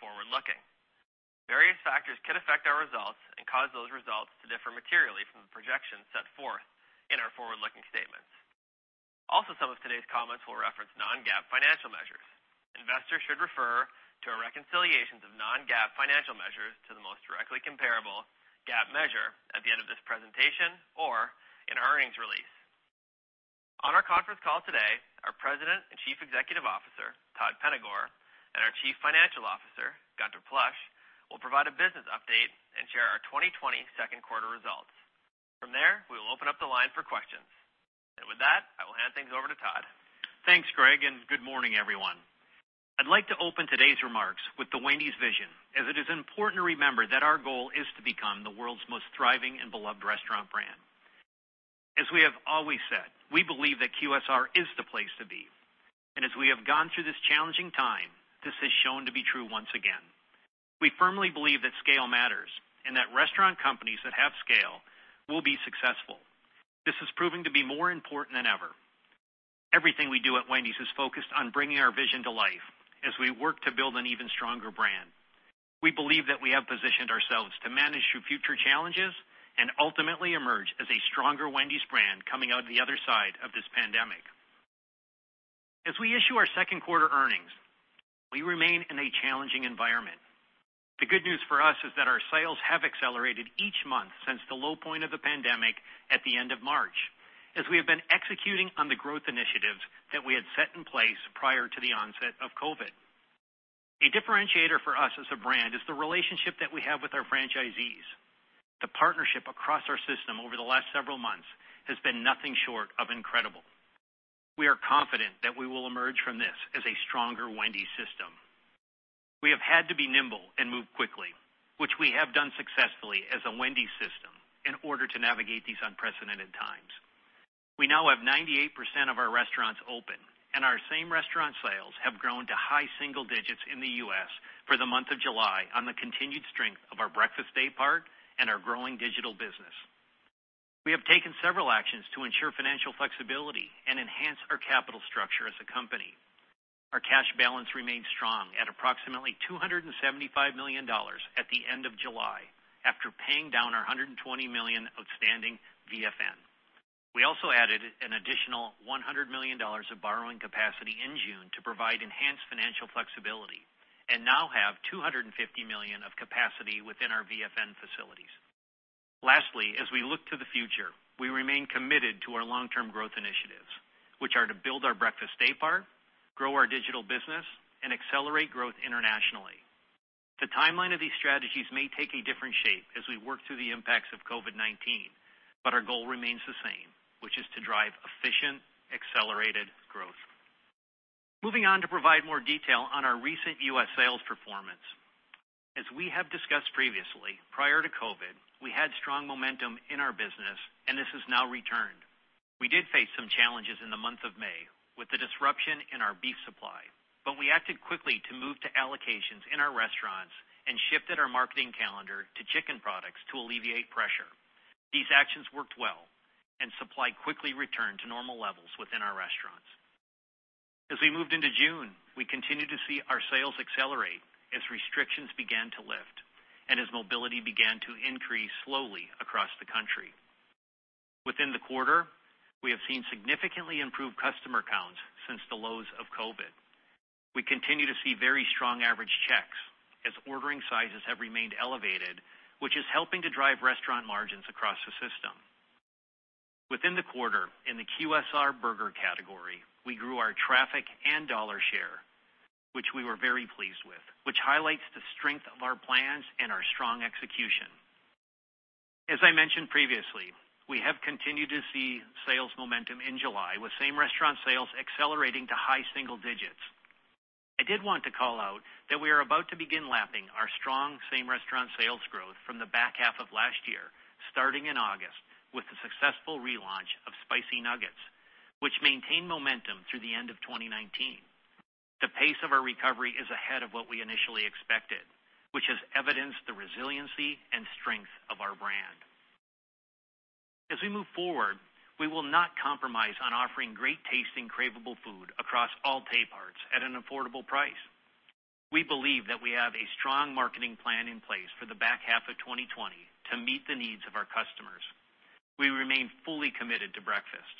forward-looking. Various factors could affect our results and cause those results to differ materially from the projections set forth in our forward-looking statements. Also, some of today's comments will reference non-GAAP financial measures. Investors should refer to our reconciliations of non-GAAP financial measures to the most directly comparable GAAP measure at the end of this presentation or in our earnings release. On our conference call today, our President and Chief Executive Officer, Todd Penegor, and our Chief Financial Officer, Gunther Plosch, will provide a business update and share our 2020 second quarter results. From there, we will open up the line for questions. With that, I will hand things over to Todd. Thanks, Greg, and good morning, everyone. I'd like to open today's remarks with the Wendy's vision, as it is important to remember that our goal is to become the world's most thriving and beloved restaurant brand. As we have always said, we believe that QSR is the place to be, and as we have gone through this challenging time, this has shown to be true once again. We firmly believe that scale matters, and that restaurant companies that have scale will be successful. This is proving to be more important than ever. Everything we do at Wendy's is focused on bringing our vision to life as we work to build an even stronger brand. We believe that we have positioned ourselves to manage through future challenges and ultimately emerge as a stronger Wendy's brand coming out the other side of this pandemic. As we issue our second quarter earnings, we remain in a challenging environment. The good news for us is that our sales have accelerated each month since the low point of the pandemic at the end of March, as we have been executing on the growth initiatives that we had set in place prior to the onset of COVID. A differentiator for us as a brand is the relationship that we have with our franchisees. The partnership across our system over the last several months has been nothing short of incredible. We are confident that we will emerge from this as a stronger Wendy's system. We have had to be nimble and move quickly, which we have done successfully as a Wendy's system in order to navigate these unprecedented times. We now have 98% of our restaurants open, and our same restaurant sales have grown to high single digits in the U.S. for the month of July on the continued strength of our breakfast daypart and our growing digital business. We have taken several actions to ensure financial flexibility and enhance our capital structure as a company. Our cash balance remains strong at approximately $275 million at the end of July, after paying down our $120 million outstanding VFN. We also added an additional $100 million of borrowing capacity in June to provide enhanced financial flexibility, and now have $250 million of capacity within our VFN facilities. Lastly, as we look to the future, we remain committed to our long-term growth initiatives, which are to build our breakfast daypart, grow our digital business, and accelerate growth internationally. The timeline of these strategies may take a different shape as we work through the impacts of COVID-19, but our goal remains the same, which is to drive efficient, accelerated growth. Moving on to provide more detail on our recent U.S. sales performance. As we have discussed previously, prior to COVID, we had strong momentum in our business, and this has now returned. We did face some challenges in the month of May with the disruption in our beef supply, but we acted quickly to move to allocations in our restaurants and shifted our marketing calendar to chicken products to alleviate pressure. These actions worked well, and supply quickly returned to normal levels within our restaurants. As we moved into June, we continued to see our sales accelerate as restrictions began to lift and as mobility began to increase slowly across the country. Within the quarter, we have seen significantly improved customer counts since the lows of COVID-19. We continue to see very strong average checks as ordering sizes have remained elevated, which is helping to drive restaurant margins across the system. Within the quarter, in the QSR burger category, we grew our traffic and dollar share, which we were very pleased with, which highlights the strength of our plans and our strong execution. As I mentioned previously, we have continued to see sales momentum in July, with same restaurant sales accelerating to high single digits. I did want to call out that we are about to begin lapping our strong same restaurant sales growth from the back half of last year, starting in August, with the successful relaunch of Spicy Nuggets, which maintained momentum through the end of 2019. The pace of our recovery is ahead of what we initially expected, which has evidenced the resiliency and strength of our brand. We move forward, we will not compromise on offering great tasting, craveable food across all dayparts at an affordable price. We believe that we have a strong marketing plan in place for the back half of 2020 to meet the needs of our customers. We remain fully committed to breakfast.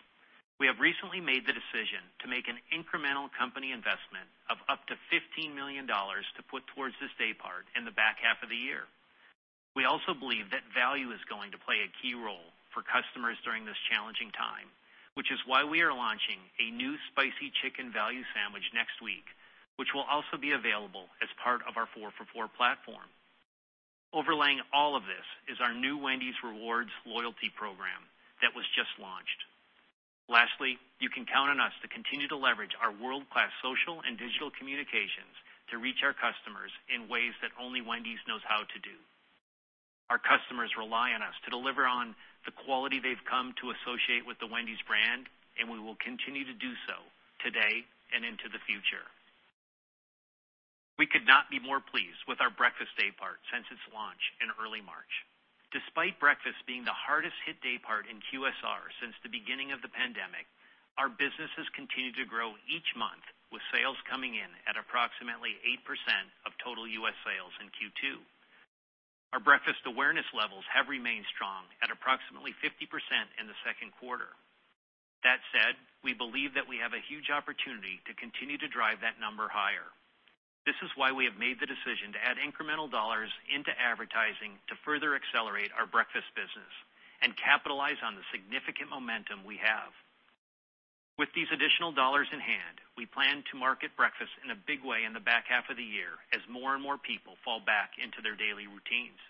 We have recently made the decision to make an incremental company investment of up to $15 million to put towards this daypart in the back half of the year. We also believe that value is going to play a key role for customers during this challenging time, which is why we are launching a new spicy chicken value sandwich next week, which will also be available as part of our 4 for $4 platform. Overlaying all of this is our new Wendy's Rewards loyalty program that was just launched. You can count on us to continue to leverage our world-class social and digital communications to reach our customers in ways that only Wendy's knows how to do. Our customers rely on us to deliver on the quality they've come to associate with the Wendy's brand. We will continue to do so today and into the future. We could not be more pleased with our breakfast day part since its launch in early March. Despite breakfast being the hardest hit day part in QSR since the beginning of the pandemic, our business has continued to grow each month, with sales coming in at approximately 8% of total U.S. sales in Q2. Our breakfast awareness levels have remained strong at approximately 50% in the second quarter. That said, we believe that we have a huge opportunity to continue to drive that number higher. This is why we have made the decision to add incremental dollars into advertising to further accelerate our breakfast business and capitalize on the significant momentum we have. With these additional dollars in hand, we plan to market breakfast in a big way in the back half of the year as more and more people fall back into their daily routines.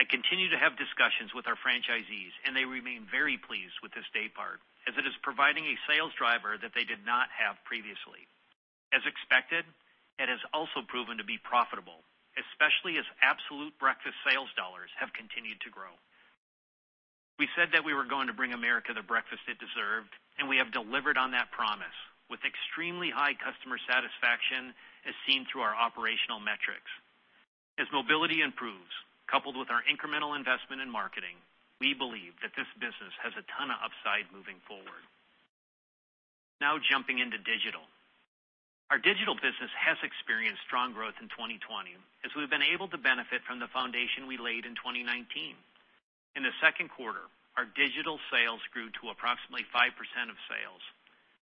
I continue to have discussions with our franchisees, and they remain very pleased with this day part, as it is providing a sales driver that they did not have previously. As expected, it has also proven to be profitable, especially as absolute breakfast sales dollars have continued to grow. We said that we were going to bring America the breakfast it deserved, and we have delivered on that promise with extremely high customer satisfaction as seen through our operational metrics. As mobility improves, coupled with our incremental investment in marketing, we believe that this business has a ton of upside moving forward. Now jumping into digital. Our digital business has experienced strong growth in 2020 as we've been able to benefit from the foundation we laid in 2019. In the second quarter, our digital sales grew to approximately 5% of sales,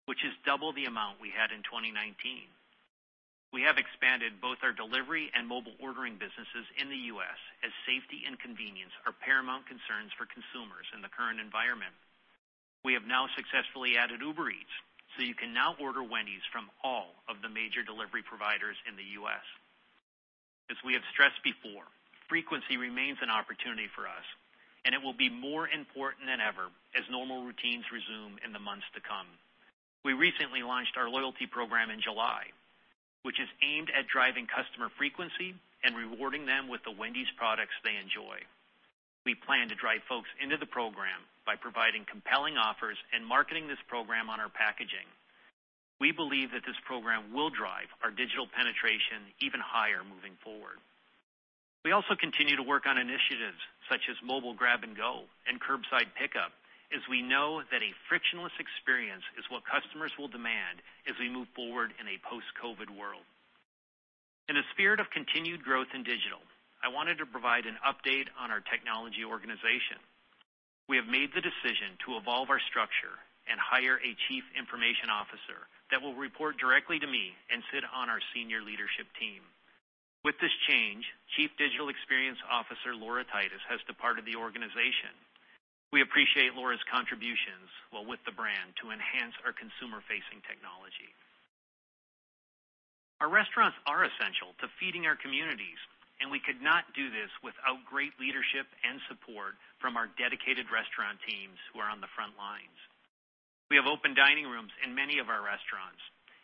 which is double the amount we had in 2019. We have expanded both our delivery and mobile ordering businesses in the U.S. as safety and convenience are paramount concerns for consumers in the current environment. We have now successfully added Uber Eats, so you can now order Wendy's from all of the major delivery providers in the U.S. As we have stressed before, frequency remains an opportunity for us, and it will be more important than ever as normal routines resume in the months to come. We recently launched our loyalty program in July, which is aimed at driving customer frequency and rewarding them with the Wendy's products they enjoy. We plan to drive folks into the program by providing compelling offers and marketing this program on our packaging. We believe that this program will drive our digital penetration even higher moving forward. We also continue to work on initiatives such as mobile grab and go and curbside pickup, as we know that a frictionless experience is what customers will demand as we move forward in a post-COVID-19 world. In the spirit of continued growth in digital, I wanted to provide an update on our technology organization. We have made the decision to evolve our structure and hire a Chief Information Officer that will report directly to me and sit on our senior leadership team. With this change, Chief Digital Experience Officer Laura Titas has departed the organization. We appreciate Laura's contributions while with the brand to enhance our consumer-facing technology. Our restaurants are essential to feeding our communities, and we could not do this without great leadership and support from our dedicated restaurant teams who are on the front lines. We have open dining rooms in many of our restaurants,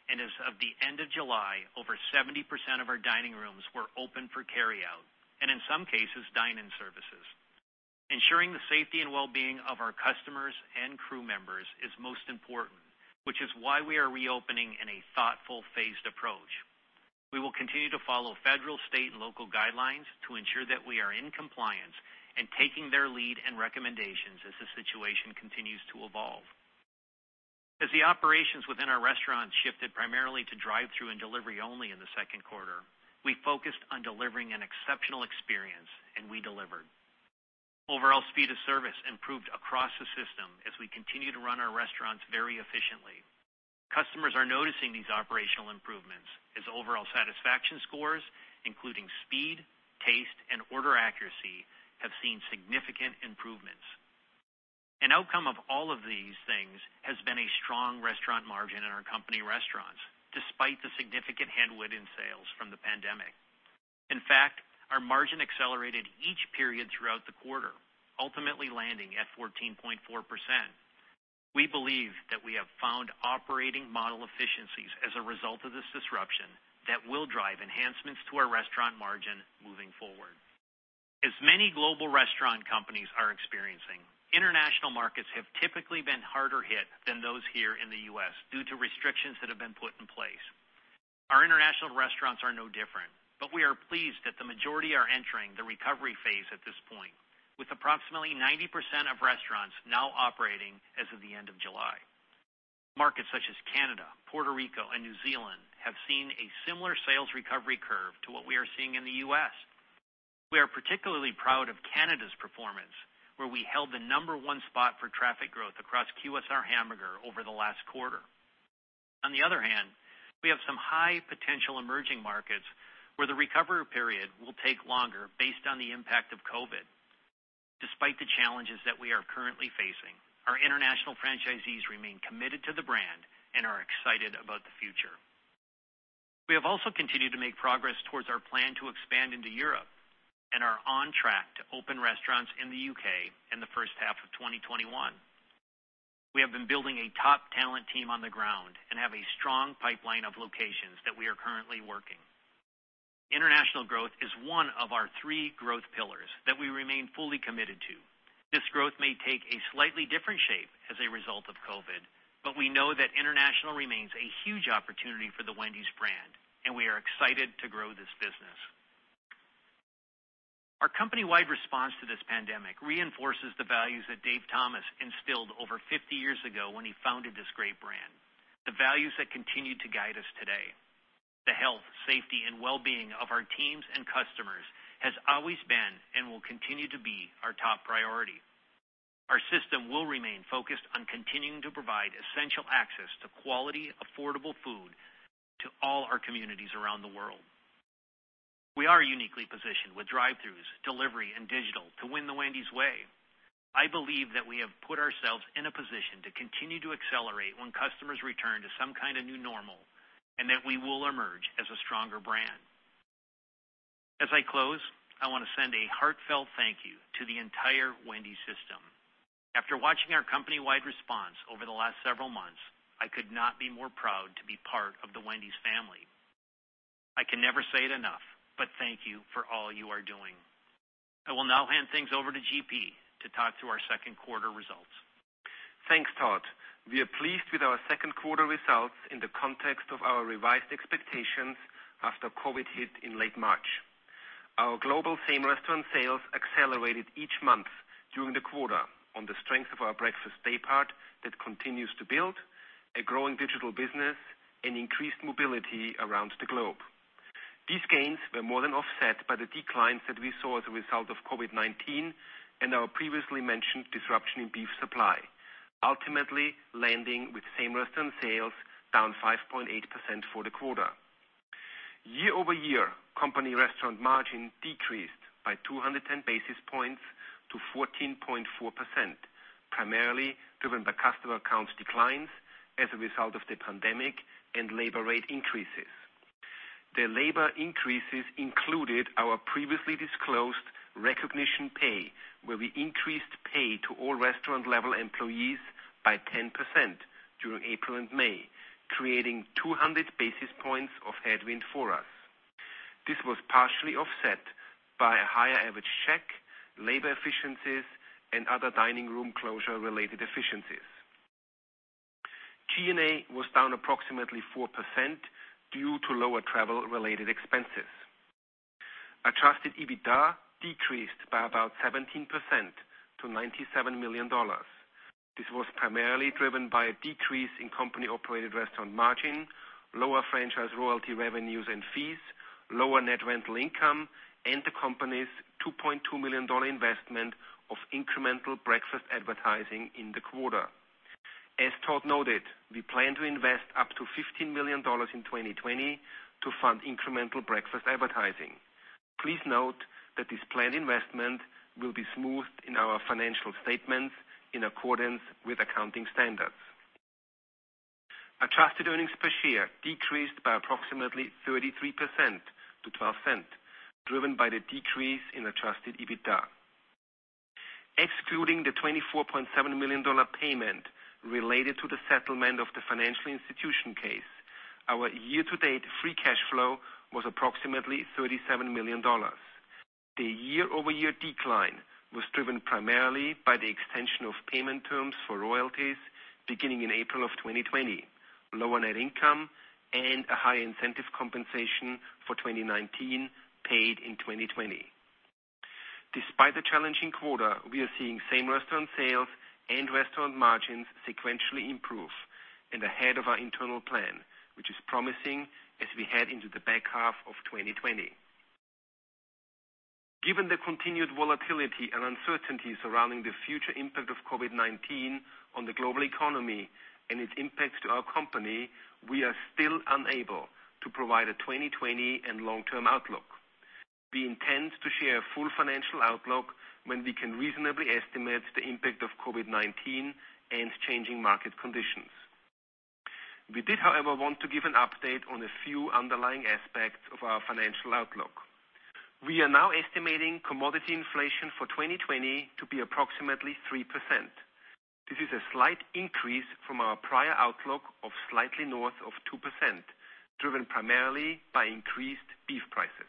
and as of the end of July, over 70% of our dining rooms were open for carryout, and in some cases, dine-in services. Ensuring the safety and well-being of our customers and crew members is most important, which is why we are reopening in a thoughtful, phased approach. We will continue to follow federal, state, and local guidelines to ensure that we are in compliance and taking their lead and recommendations as the situation continues to evolve. As the operations within our restaurants shifted primarily to drive-thru and delivery only in the second quarter, we focused on delivering an exceptional experience, and we delivered. Overall speed of service improved across the system as we continue to run our restaurants very efficiently. Customers are noticing these operational improvements as overall satisfaction scores, including speed, taste, and order accuracy, have seen significant improvements. An outcome of all of these things has been a strong restaurant margin in our company restaurants, despite the significant headwind in sales from the pandemic. In fact, our margin accelerated each period throughout the quarter, ultimately landing at 14.4%. We believe that we have found operating model efficiencies as a result of this disruption that will drive enhancements to our restaurant margin moving forward. As many global restaurant companies are experiencing, international markets have typically been harder hit than those here in the U.S. due to restrictions that have been put in place. Our international restaurants are no different, but we are pleased that the majority are entering the recovery phase at this point, with approximately 90% of restaurants now operating as of the end of July. Markets such as Canada, Puerto Rico, and New Zealand have seen a similar sales recovery curve to what we are seeing in the U.S. We are particularly proud of Canada's performance, where we held the number one spot for traffic growth across QSR hamburger over the last quarter. On the other hand, we have some high potential emerging markets where the recovery period will take longer based on the impact of COVID-19. Despite the challenges that we are currently facing, our international franchisees remain committed to the brand and are excited about the future. We have also continued to make progress towards our plan to expand into Europe and are on track to open restaurants in the U.K. in the first half of 2021. We have been building a top talent team on the ground and have a strong pipeline of locations that we are currently working. International growth is one of our three growth pillars that we remain fully committed to. This growth may take a slightly different shape as a result of COVID-19, but we know that international remains a huge opportunity for the Wendy's brand, and we are excited to grow this business. Our company-wide response to this pandemic reinforces the values that Dave Thomas instilled over 50 years ago when he founded this great brand, the values that continue to guide us today. The health, safety, and wellbeing of our teams and customers has always been and will continue to be our top priority. Our system will remain focused on continuing to provide essential access to quality, affordable food to all our communities around the world. We are uniquely positioned with drive-throughs, delivery, and digital to win the Wendy's way. I believe that we have put ourselves in a position to continue to accelerate when customers return to some kind of new normal, and that we will emerge as a stronger brand. As I close, I want to send a heartfelt thank you to the entire Wendy's system. After watching our company-wide response over the last several months, I could not be more proud to be part of the Wendy's family. I can never say it enough, but thank you for all you are doing. I will now hand things over to G.P. to talk through our second quarter results. Thanks, Todd. We are pleased with our second quarter results in the context of our revised expectations after COVID-19 hit in late March. Our global same restaurant sales accelerated each month during the quarter on the strength of our breakfast day part that continues to build, a growing digital business, and increased mobility around the globe. These gains were more than offset by the declines that we saw as a result of COVID-19 and our previously mentioned disruption in beef supply, ultimately landing with same restaurant sales down 5.8% for the quarter. Year-over-year, company restaurant margin decreased by 210 basis points to 14.4%, primarily driven by customer counts declines as a result of the pandemic and labor rate increases. The labor increases included our previously disclosed recognition pay, where we increased pay to all restaurant-level employees by 10% during April and May, creating 200 basis points of headwind for us. This was partially offset by a higher average check, labor efficiencies, and other dining room closure related efficiencies. G&A was down approximately 4% due to lower travel-related expenses. Adjusted EBITDA decreased by about 17% to $97 million. This was primarily driven by a decrease in company-operated restaurant margin, lower franchise royalty revenues and fees, lower net rental income, and the company's $2.2 million investment of incremental breakfast advertising in the quarter. As Todd noted, we plan to invest up to $15 million in 2020 to fund incremental breakfast advertising. Please note that this planned investment will be smoothed in our financial statements in accordance with accounting standards. Adjusted earnings per share decreased by approximately 33% to $0.12, driven by the decrease in adjusted EBITDA. Excluding the $24.7 million payment related to the settlement of the financial institution case, our year-to-date free cash flow was approximately $37 million. The year-over-year decline was driven primarily by the extension of payment terms for royalties beginning in April of 2020, lower net income, and a high incentive compensation for 2019 paid in 2020. Despite the challenging quarter, we are seeing same restaurant sales and restaurant margins sequentially improve and ahead of our internal plan, which is promising as we head into the back half of 2020. Given the continued volatility and uncertainty surrounding the future impact of COVID-19 on the global economy and its impacts to our company, we are still unable to provide a 2020 and long-term outlook. We intend to share a full financial outlook when we can reasonably estimate the impact of COVID-19 and changing market conditions. We did, however, want to give an update on a few underlying aspects of our financial outlook. We are now estimating commodity inflation for 2020 to be approximately 3%. This is a slight increase from our prior outlook of slightly north of 2%, driven primarily by increased beef prices.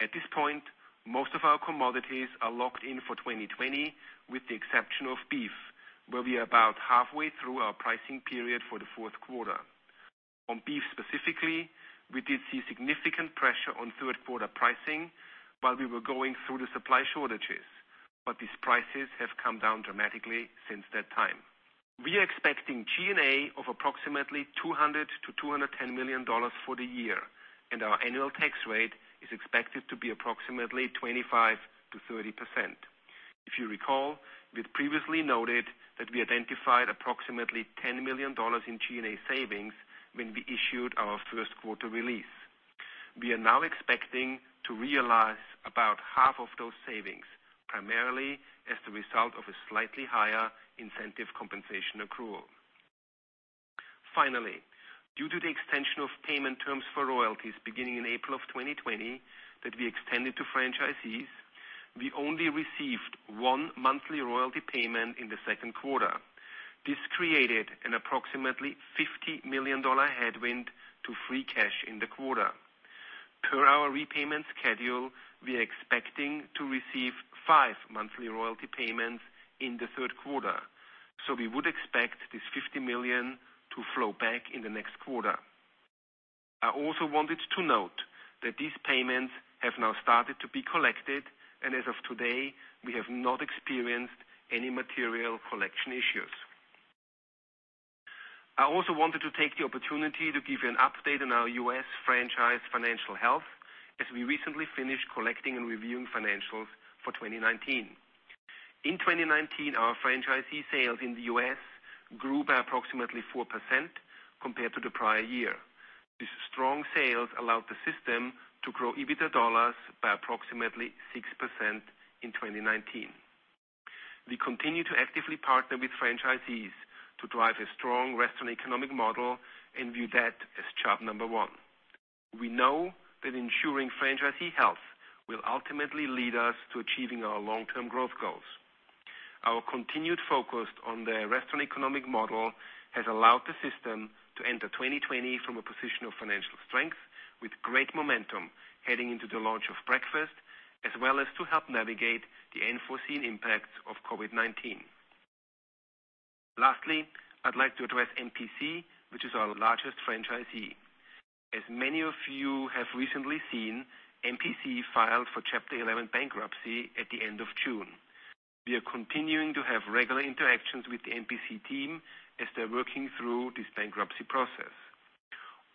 At this point, most of our commodities are locked in for 2020, with the exception of beef, where we are about halfway through our pricing period for the fourth quarter. On beef specifically, we did see significant pressure on third quarter pricing while we were going through the supply shortages. These prices have come down dramatically since that time. We are expecting G&A of approximately $200 million-$210 million for the year, and our annual tax rate is expected to be approximately 25%-30%. If you recall, we'd previously noted that we identified approximately $10 million in G&A savings when we issued our first quarter release. We are now expecting to realize about half of those savings, primarily as the result of a slightly higher incentive compensation accrual. Finally, due to the extension of payment terms for royalties beginning in April of 2020 that we extended to franchisees, we only received one monthly royalty payment in the second quarter. This created an approximately $50 million headwind to free cash in the quarter. Per our repayment schedule, we are expecting to receive five monthly royalty payments in the third quarter, so we would expect this $50 million to flow back in the next quarter. I also wanted to note that these payments have now started to be collected, and as of today, we have not experienced any material collection issues. I also wanted to take the opportunity to give you an update on our U.S. franchise financial health as we recently finished collecting and reviewing financials for 2019. In 2019, our franchisee sales in the U.S. grew by approximately 4% compared to the prior year. These strong sales allowed the system to grow EBITDA dollars by approximately 6% in 2019. We continue to actively partner with franchisees to drive a strong restaurant economic model and view that as job number one. We know that ensuring franchisee health will ultimately lead us to achieving our long-term growth goals. Our continued focus on the restaurant economic model has allowed the system to enter 2020 from a position of financial strength with great momentum heading into the launch of breakfast, as well as to help navigate the unforeseen impacts of COVID-19. Lastly, I'd like to address NPC, which is our largest franchisee. As many of you have recently seen, NPC filed for Chapter 11 bankruptcy at the end of June. We are continuing to have regular interactions with the NPC team as they're working through this bankruptcy process.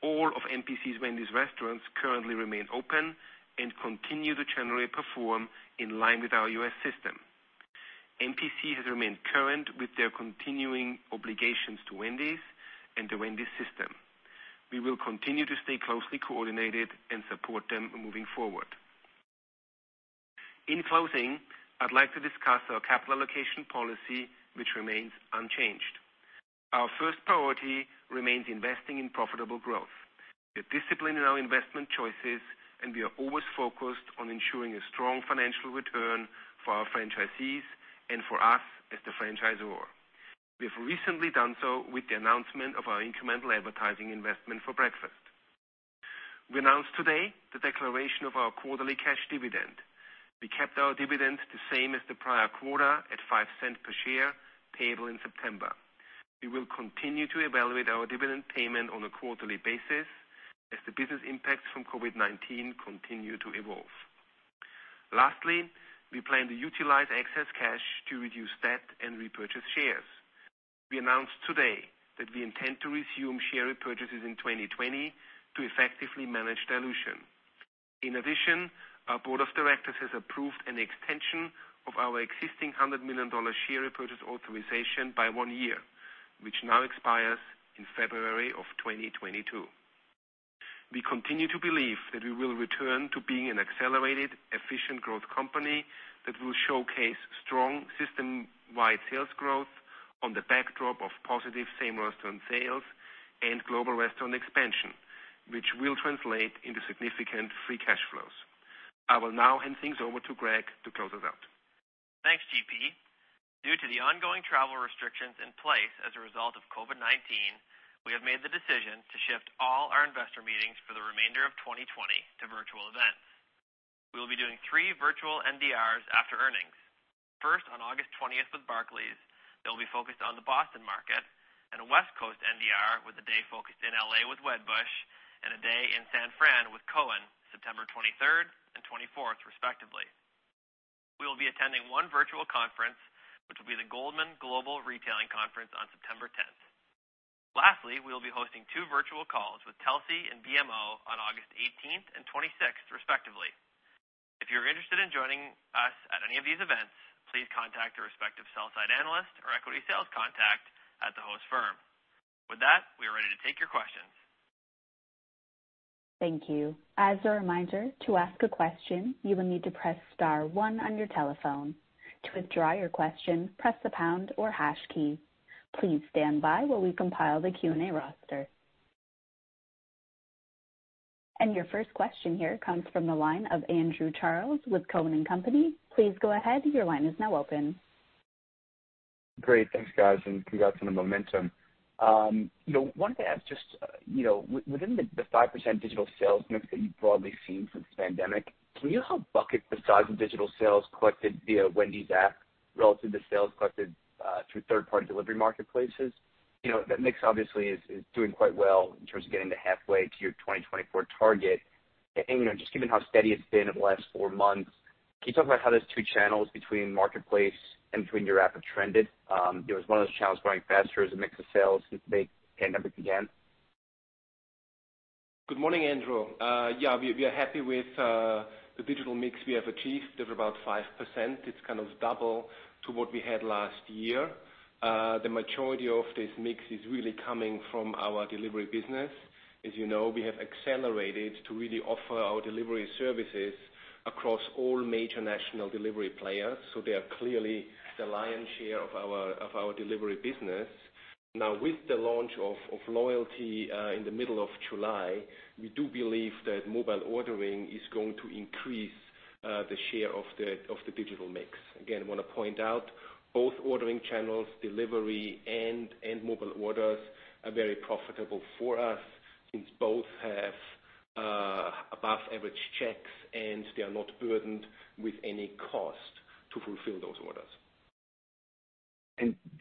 All of NPC's Wendy's restaurants currently remain open and continue to generally perform in line with our U.S. system. NPC has remained current with their continuing obligations to Wendy's and the Wendy's system. We will continue to stay closely coordinated and support them moving forward. In closing, I'd like to discuss our capital allocation policy, which remains unchanged. Our first priority remains investing in profitable growth. We are disciplined in our investment choices, and we are always focused on ensuring a strong financial return for our franchisees and for us as the franchisor. We have recently done so with the announcement of our incremental advertising investment for breakfast. We announce today the declaration of our quarterly cash dividend. We kept our dividend the same as the prior quarter at $0.05 per share, payable in September. We will continue to evaluate our dividend payment on a quarterly basis as the business impacts from COVID-19 continue to evolve. Lastly, we plan to utilize excess cash to reduce debt and repurchase shares. We announced today that we intend to resume share repurchases in 2020 to effectively manage dilution. Our Board of Directors has approved an extension of our existing $100 million share repurchase authorization by one year, which now expires in February of 2022. We continue to believe that we will return to being an accelerated, efficient growth company that will showcase strong system-wide sales growth on the backdrop of positive same restaurant sales and global restaurant expansion, which will translate into significant free cash flows. I will now hand things over to Greg to close us out. Thanks, G.P. Due to the ongoing travel restrictions in place as a result of COVID-19, we have made the decision to shift all our investor meetings for the remainder of 2020 to virtual events. We will be doing three virtual NDRs after earnings. First, on August 20th with Barclays, that will be focused on the Boston market, and a West Coast NDR with a day focused in L.A. with Wedbush, and a day in San Fran with Cowen, September 23rd and 24th respectively. We will be attending one virtual conference, which will be the Goldman Global Retailing Conference on September 10th. Lastly, we will be hosting two virtual calls with Telsey and BMO on August 18th and 26th respectively. If you're interested in joining us at any of these events, please contact your respective sell side analyst or equity sales contact at the host firm. With that, we are ready to take your questions. Thank you. As a reminder to ask question you will need to press star one on your telephone. To withdraw your question press the pound or the hash key. Please stand-by as we compile the Q&A roster. Your first question here comes from the line of Andrew Charles with Cowen & Company. Please go ahead, your line is now open. Great. Thanks, guys, and congrats on the momentum. Wanted to ask just within the 5% digital sales mix that you've broadly seen since the pandemic, can you help bucket the size of digital sales collected via Wendy's app relative to sales collected through third-party delivery marketplaces? That mix obviously is doing quite well in terms of getting to halfway to your 2024 target. Just given how steady it's been over the last four months, can you talk about how those two channels between marketplace and between your app have trended? Has one of those channels growing faster as a mix of sales since they kind of began? Good morning, Andrew. Yeah, we are happy with the digital mix we have achieved of about 5%. It's kind of double to what we had last year. The majority of this mix is really coming from our delivery business. As you know, we have accelerated to really offer our delivery services across all major national delivery players. They are clearly the lion's share of our delivery business. Now, with the launch of loyalty in the middle of July, we do believe that mobile ordering is going to increase the share of the digital mix. Again, I want to point out both ordering channels, delivery and mobile orders, are very profitable for us since both have above-average checks and they are not burdened with any cost to fulfill those orders.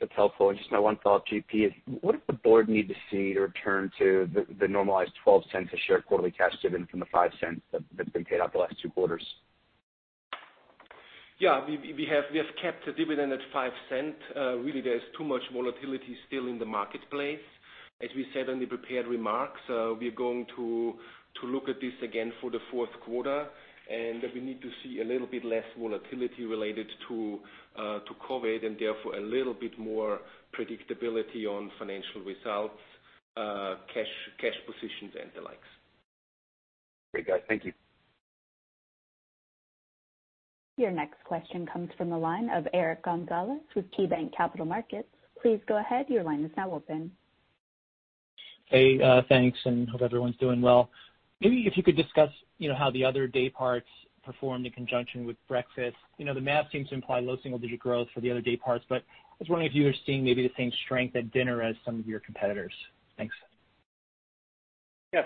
That's helpful. Just my one thought, G.P., what does the board need to see to return to the normalized $0.12 a share quarterly cash dividend from the $0.05 that's been paid out the last two quarters? Yeah. We have kept the dividend at $0.05. Really, there's too much volatility still in the marketplace. As we said on the prepared remarks, we are going to look at this again for the fourth quarter, and we need to see a little bit less volatility related to COVID-19 and therefore a little bit more predictability on financial results, cash positions, and the likes. Great, guys. Thank you. Your next question comes from the line of Eric Gonzalez with KeyBanc Capital Markets. Please go ahead. Hey, thanks. Hope everyone's doing well. Maybe if you could discuss how the other day parts performed in conjunction with breakfast. The math seems to imply low single-digit growth for the other day parts. I was wondering if you were seeing maybe the same strength at dinner as some of your competitors. Thanks.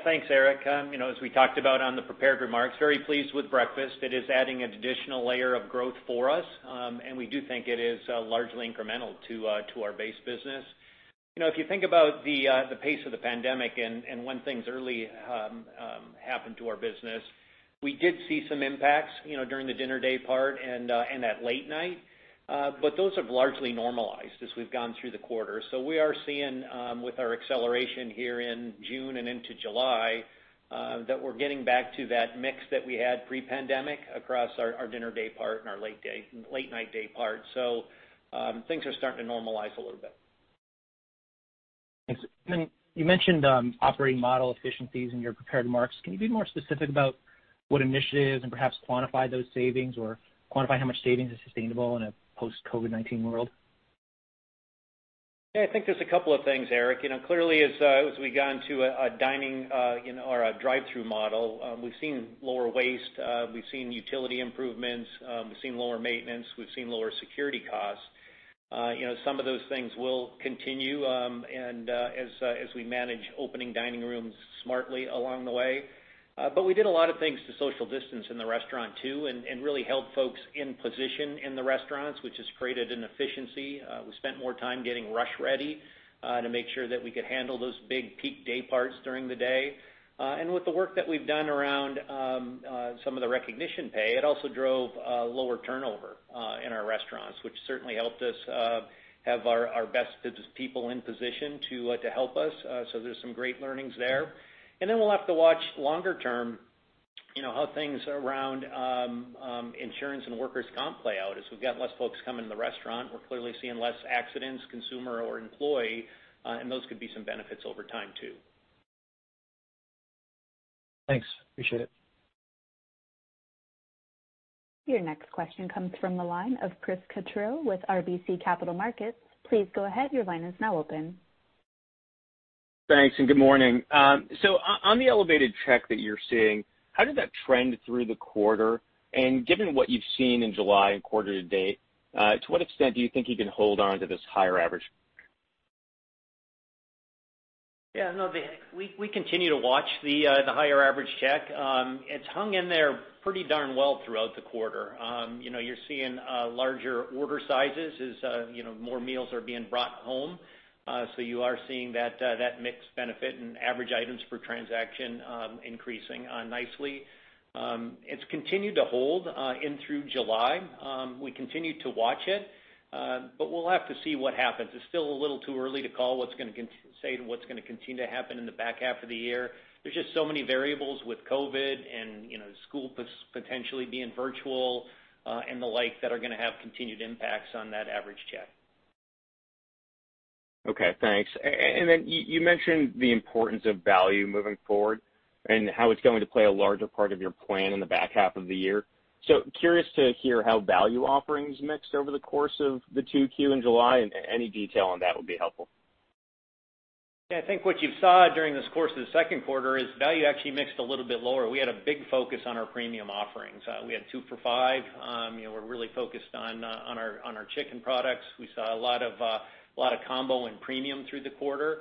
Thanks, Eric. As we talked about on the prepared remarks, very pleased with breakfast. It is adding an additional layer of growth for us, and we do think it is largely incremental to our base business. If you think about the pace of the pandemic and when things early happened to our business, we did see some impacts during the dinner day part and that late night. Those have largely normalized as we've gone through the quarter. We are seeing, with our acceleration here in June and into July, that we're getting back to that mix that we had pre-pandemic across our dinner day part and our late night day part. Things are starting to normalize a little bit. Thanks. You mentioned operating model efficiencies in your prepared remarks. Can you be more specific about what initiatives and perhaps quantify those savings or quantify how much savings is sustainable in a post-COVID-19 world? I think there's a couple of things, Eric. Clearly, as we got into a drive-through model, we've seen lower waste. We've seen utility improvements. We've seen lower maintenance. We've seen lower security costs. Some of those things will continue and as we manage opening dining rooms smartly along the way. We did a lot of things to social distance in the restaurant too, and really help folks in position in the restaurants, which has created an efficiency. We spent more time getting rush ready to make sure that we could handle those big peak dayparts during the day. With the work that we've done around some of the recognition pay, it also drove lower turnover in our restaurants, which certainly helped us have our best people in position to help us. There's some great learnings there. We'll have to watch longer term, how things around insurance and workers comp play out. As we've got less folks coming in the restaurant, we're clearly seeing less accidents, consumer or employee, and those could be some benefits over time, too. Thanks. Appreciate it. Your next question comes from the line of Chris Carril with RBC Capital Markets. Please go ahead. Your line is now open. Thanks. Good morning. On the elevated check that you're seeing, how did that trend through the quarter? Given what you've seen in July and quarter to date, to what extent do you think you can hold on to this higher average? No, we continue to watch the higher average check. It's hung in there pretty darn well throughout the quarter. You're seeing larger order sizes as more meals are being brought home. You are seeing that mix benefit and average items per transaction increasing nicely. It's continued to hold in through July. We continue to watch it. We'll have to see what happens. It's still a little too early to call what's going to continue to happen in the back half of the year. There's just so many variables with COVID-19 and school potentially being virtual, and the like that are going to have continued impacts on that average check. Okay, thanks. You mentioned the importance of value moving forward and how it's going to play a larger part of your plan in the back half of the year. Curious to hear how value offerings mixed over the course of the 2Q and July, and any detail on that would be helpful. Yeah, I think what you saw during this course of the second quarter is value actually mixed a little bit lower. We had a big focus on our premium offerings. We had two for five. We're really focused on our chicken products. We saw a lot of combo and premium through the quarter.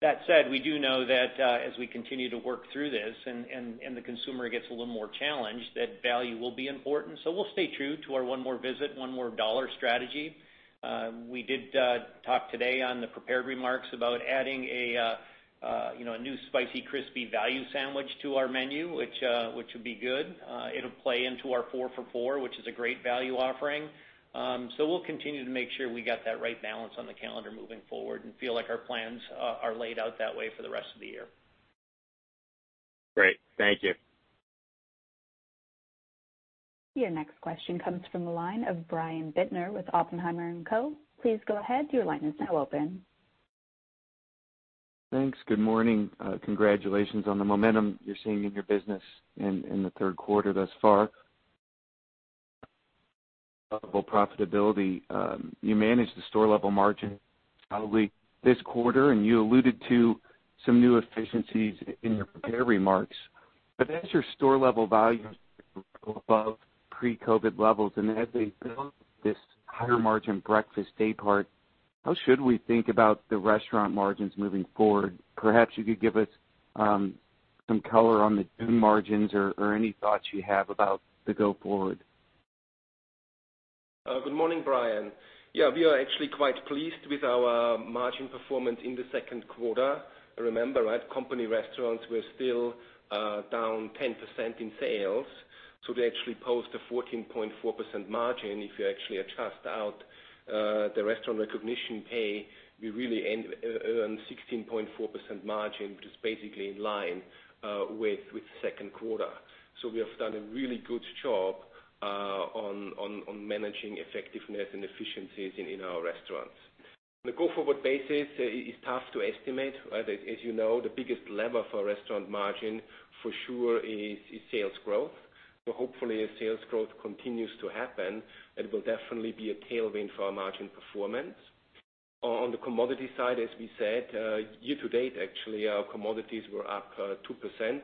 That said, we do know that as we continue to work through this and the consumer gets a little more challenged, that value will be important. We'll stay true to our one more visit, one more dollar strategy. We did talk today on the prepared remarks about adding a new spicy, crispy value sandwich to our menu, which should be good. It'll play into our 4 for $4, which is a great value offering. We'll continue to make sure we got that right balance on the calendar moving forward and feel like our plans are laid out that way for the rest of the year. Great. Thank you. Your next question comes from the line of Brian Bittner with Oppenheimer & Co. Please go ahead, your line is now open. Thanks. Good morning. Congratulations on the momentum you're seeing in your business in the third quarter thus far. profitability. You managed the store-level margin this quarter, and you alluded to some new efficiencies in your prepared remarks. As your store-level volumes above pre-COVID-19 levels, and as this higher margin breakfast day part, how should we think about the restaurant margins moving forward? Perhaps you could give us some color on the June margins or any thoughts you have about the go forward. Good morning, Brian. Yeah, we are actually quite pleased with our margin performance in the second quarter. Remember, company restaurants were still down 10% in sales, so they actually post a 14.4% margin. If you actually adjust out the restaurant recognition pay, we really earn 16.4% margin, which is basically in line with second quarter. We have done a really good job on managing effectiveness and efficiencies in our restaurants. The go-forward basis is tough to estimate. As you know, the biggest lever for restaurant margin for sure is sales growth. Hopefully, as sales growth continues to happen, it will definitely be a tailwind for our margin performance. On the commodity side, as we said, year to date, actually, our commodities were up 2%.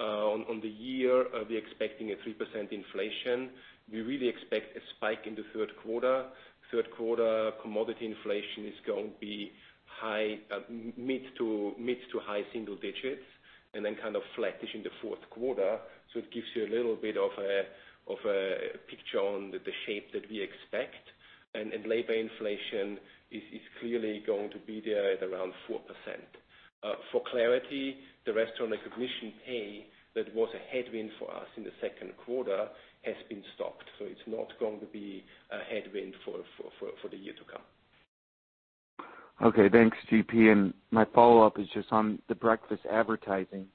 On the year, we're expecting a 3% inflation. We really expect a spike in the third quarter. Third quarter commodity inflation is going to be mid to high single digits, and then kind of flattish in the fourth quarter. It gives you a little bit of a picture on the shape that we expect. Labor inflation is clearly going to be there at around 4%. For clarity, the restaurant recognition pay that was a headwind for us in the second quarter has been stopped. It's not going to be a headwind for the year to come. Okay, thanks, G.P. My follow-up is just on the breakfast advertising.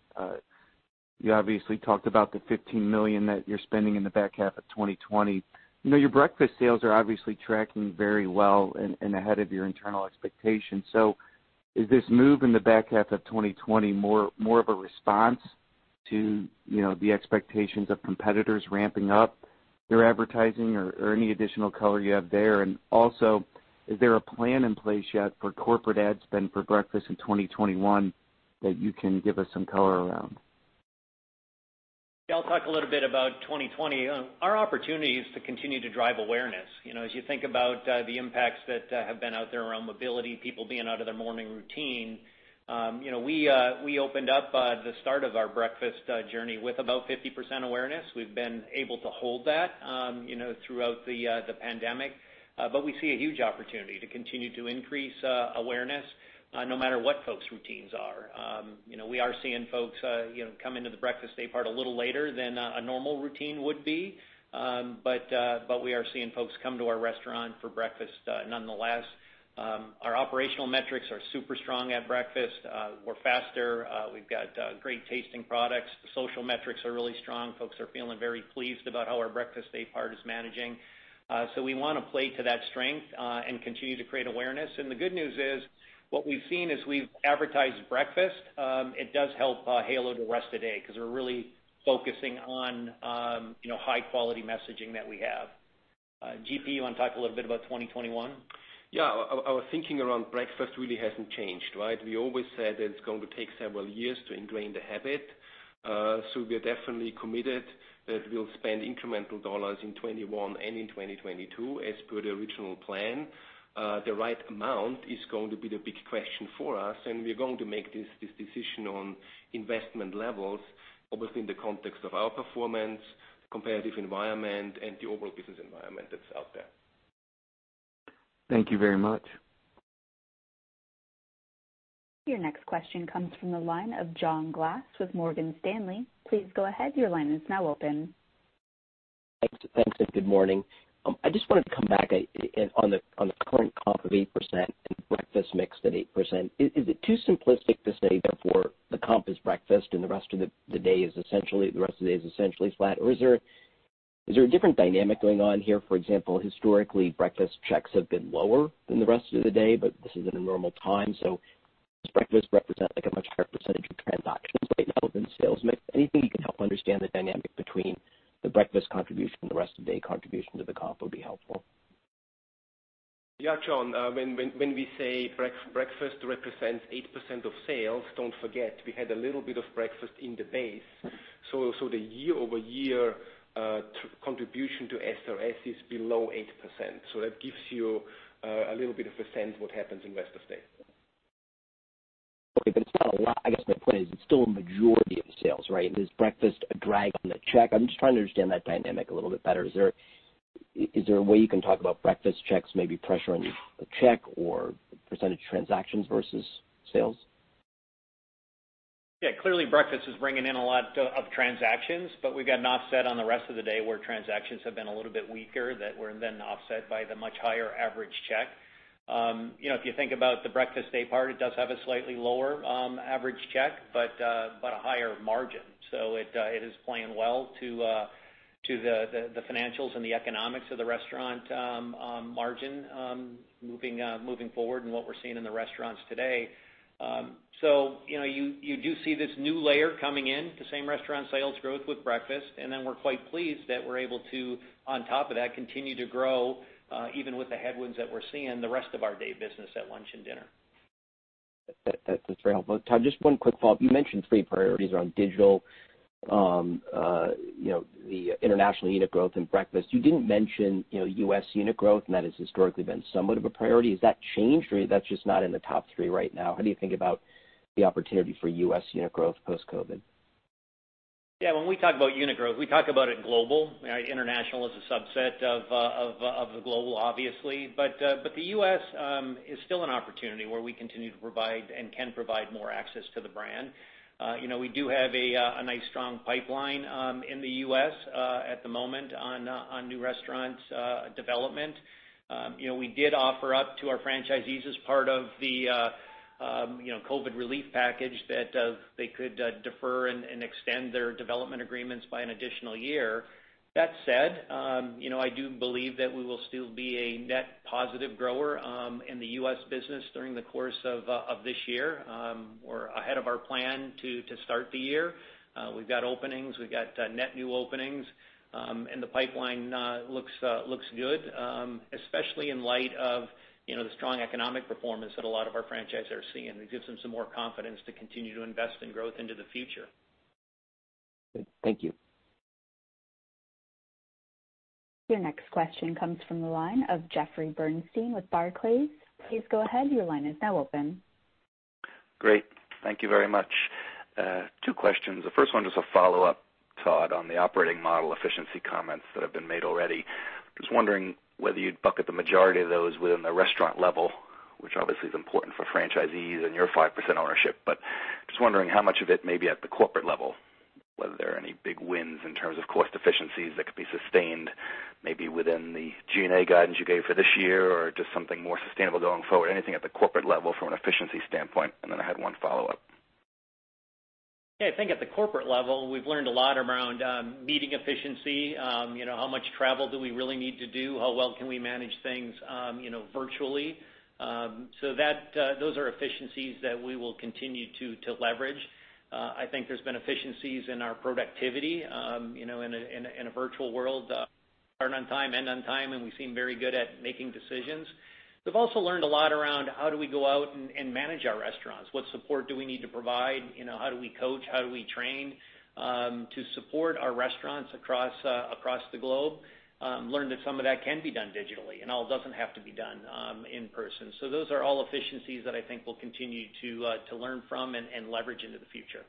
You obviously talked about the $15 million that you're spending in the back half of 2020. Your breakfast sales are obviously tracking very well and ahead of your internal expectations. Is this move in the back half of 2020 more of a response to the expectations of competitors ramping up their advertising or any additional color you have there? Also, is there a plan in place yet for corporate ad spend for breakfast in 2021 that you can give us some color around? Yeah, I'll talk a little bit about 2020. Our opportunity is to continue to drive awareness. As you think about the impacts that have been out there around mobility, people being out of their morning routine, we opened up the start of our breakfast journey with about 50% awareness. We've been able to hold that throughout the pandemic. We see a huge opportunity to continue to increase awareness no matter what folks' routines are. We are seeing folks come into the breakfast day part a little later than a normal routine would be. We are seeing folks come to our restaurant for breakfast nonetheless. Our operational metrics are super strong at breakfast. We're faster. We've got great tasting products. The social metrics are really strong. Folks are feeling very pleased about how our breakfast day part is managing. We want to play to that strength and continue to create awareness. The good news is, what we've seen as we've advertised breakfast, it does help halo the rest of the day because we're really focusing on high-quality messaging that we have. G.P., you want to talk a little bit about 2021? Our thinking around breakfast really hasn't changed. We always said that it's going to take several years to ingrain the habit. We are definitely committed that we'll spend incremental dollars in 2021 and in 2022 as per the original plan. The right amount is going to be the big question for us, and we're going to make this decision on investment levels, obviously in the context of our performance, competitive environment, and the overall business environment that's out there. Thank you very much. Your next question comes from the line of John Glass with Morgan Stanley. Please go ahead, your line is now open. Thanks, good morning. I just wanted to come back on the current comp of 8% and breakfast mix at 8%. Is it too simplistic to say, therefore, the comp is breakfast and the rest of the day is essentially flat? Is there a different dynamic going on here? For example, historically, breakfast checks have been lower than the rest of the day, but this isn't a normal time. Does breakfast represent a much higher percentage of transactions right now than sales mix? Anything you can help understand the dynamic between the breakfast contribution and the rest of day contribution to the comp would be helpful. Yeah, John. When we say breakfast represents 8% of sales, don't forget, we had a little bit of breakfast in the base. The year-over-year contribution to SRS is below 8%. That gives you a little bit of a sense what happens in rest of day. Okay. It's not a lot. I guess my point is it's still a majority of the sales, right? Is breakfast a drag on the check? I'm just trying to understand that dynamic a little bit better. Is there a way you can talk about breakfast checks maybe pressuring the check or % of transactions versus sales? Clearly, breakfast is bringing in a lot of transactions, but we've got an offset on the rest of the day where transactions have been a little bit weaker that were then offset by the much higher average check. If you think about the breakfast day part, it does have a slightly lower average check, but a higher margin. It is playing well to the financials and the economics of the restaurant on margin, moving forward and what we're seeing in the restaurants today. You do see this new layer coming in, the same restaurant sales growth with breakfast, and then we're quite pleased that we're able to, on top of that, continue to grow, even with the headwinds that we're seeing the rest of our day business at lunch and dinner. That's very helpful. Todd, just one quick follow-up. You mentioned three priorities around digital, the international unit growth and breakfast. You didn't mention U.S. unit growth, and that has historically been somewhat of a priority. Has that changed or that's just not in the top three right now? How do you think about the opportunity for U.S. unit growth post-COVID? Yeah. When we talk about unit growth, we talk about it global. International is a subset of the global, obviously. The U.S. is still an opportunity where we continue to provide and can provide more access to the brand. We do have a nice strong pipeline in the U.S. at the moment on new restaurant development. We did offer up to our franchisees as part of the COVID-19 relief package that they could defer and extend their development agreements by an additional year. That said, I do believe that we will still be a net positive grower in the U.S. business during the course of this year. We're ahead of our plan to start the year. We've got openings, we've got net new openings, the pipeline looks good, especially in light of the strong economic performance that a lot of our franchisees are seeing. It gives them some more confidence to continue to invest in growth into the future. Good. Thank you. Your next question comes from the line of Jeffrey Bernstein with Barclays. Please go ahead. Great. Thank you very much. Two questions. The first one, just a follow-up, Todd, on the operating model efficiency comments that have been made already. Just wondering whether you'd bucket the majority of those within the restaurant level, which obviously is important for franchisees and your 5% ownership, but just wondering how much of it may be at the corporate level, whether there are any big wins in terms of cost efficiencies that could be sustained, maybe within the G&A guidance you gave for this year, or just something more sustainable going forward, anything at the corporate level from an efficiency standpoint, and then I had one follow-up. Yeah, I think at the corporate level, we've learned a lot around meeting efficiency. How much travel do we really need to do? How well can we manage things virtually? Those are efficiencies that we will continue to leverage. I think there's been efficiencies in our productivity, in a virtual world, start on time, end on time, and we seem very good at making decisions. We've also learned a lot around how do we go out and manage our restaurants. What support do we need to provide? How do we coach? How do we train to support our restaurants across the globe? We've learned that some of that can be done digitally and all doesn't have to be done in person. Those are all efficiencies that I think we'll continue to learn from and leverage into the future.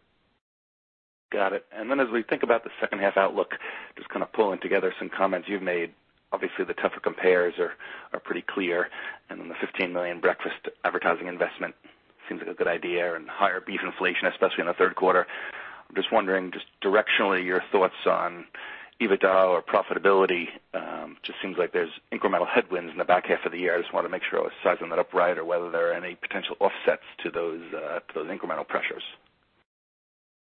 Got it. As we think about the second half outlook, just kind of pulling together some comments you've made. Obviously, the tougher compares are pretty clear, and then the $15 million breakfast advertising investment seems like a good idea and higher beef inflation, especially in the third quarter. I'm just wondering, just directionally, your thoughts on EBITDA or profitability. Just seems like there's incremental headwinds in the back half of the year. I just want to make sure I was sizing that up right or whether there are any potential offsets to those incremental pressures.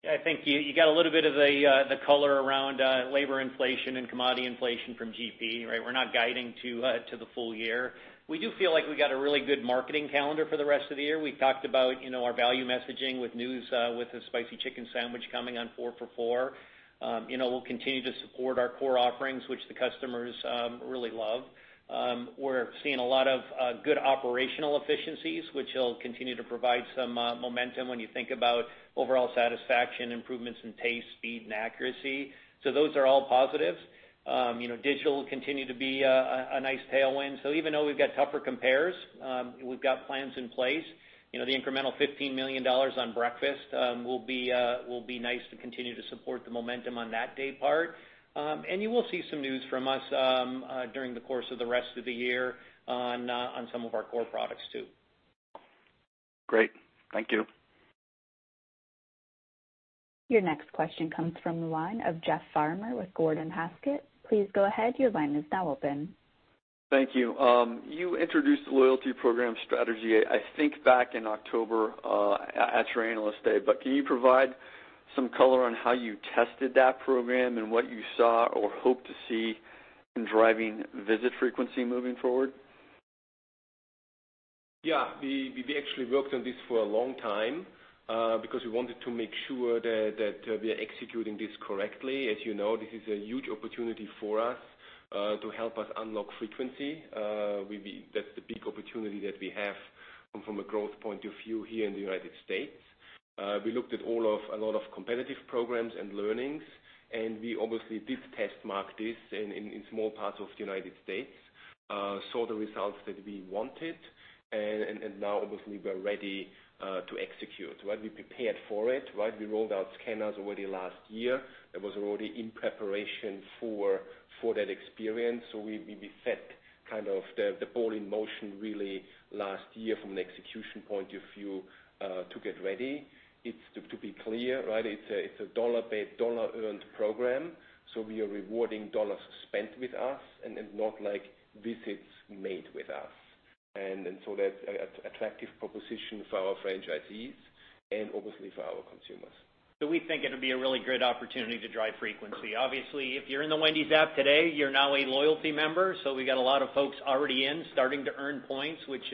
Yeah, I think you got a little bit of the color around labor inflation and commodity inflation from G.P. We're not guiding to the full year. We do feel like we got a really good marketing calendar for the rest of the year. We've talked about our value messaging with news, with the Spicy Chicken Sandwich coming on 4 for $4. We'll continue to support our core offerings, which the customers really love. We're seeing a lot of good operational efficiencies, which will continue to provide some momentum when you think about overall satisfaction, improvements in taste, speed, and accuracy. Those are all positives. Digital will continue to be a nice tailwind. Even though we've got tougher compares, we've got plans in place. The incremental $15 million on breakfast will be nice to continue to support the momentum on that day part. You will see some news from us during the course of the rest of the year on some of our core products, too. Great. Thank you. Your next question comes from the line of Jeff Farmer with Gordon Haskett. Please go ahead. Thank you. You introduced the loyalty program strategy, I think back in October, at your Analyst Day, but can you provide some color on how you tested that program and what you saw or hope to see in driving visit frequency moving forward? We actually worked on this for a long time because we wanted to make sure that we are executing this correctly. As you know, this is a huge opportunity for us to help us unlock frequency. That's the big opportunity that we have from a growth point of view here in the United States. We looked at a lot of competitive programs and learnings, and we obviously did test-market this in small parts of the United States saw the results that we wanted, and now obviously we're ready to execute. While we prepared for it. While we rolled out scanners already last year, that was already in preparation for that experience. We set the ball in motion really last year from an execution point of view to get ready. To be clear, it's a dollar earned program. We are rewarding dollars spent with us and not like visits made with us. That's attractive proposition for our franchisees and obviously for our consumers. We think it'll be a really great opportunity to drive frequency. Obviously, if you're in the Wendy's App today, you're now a loyalty member. We got a lot of folks already in, starting to earn points, which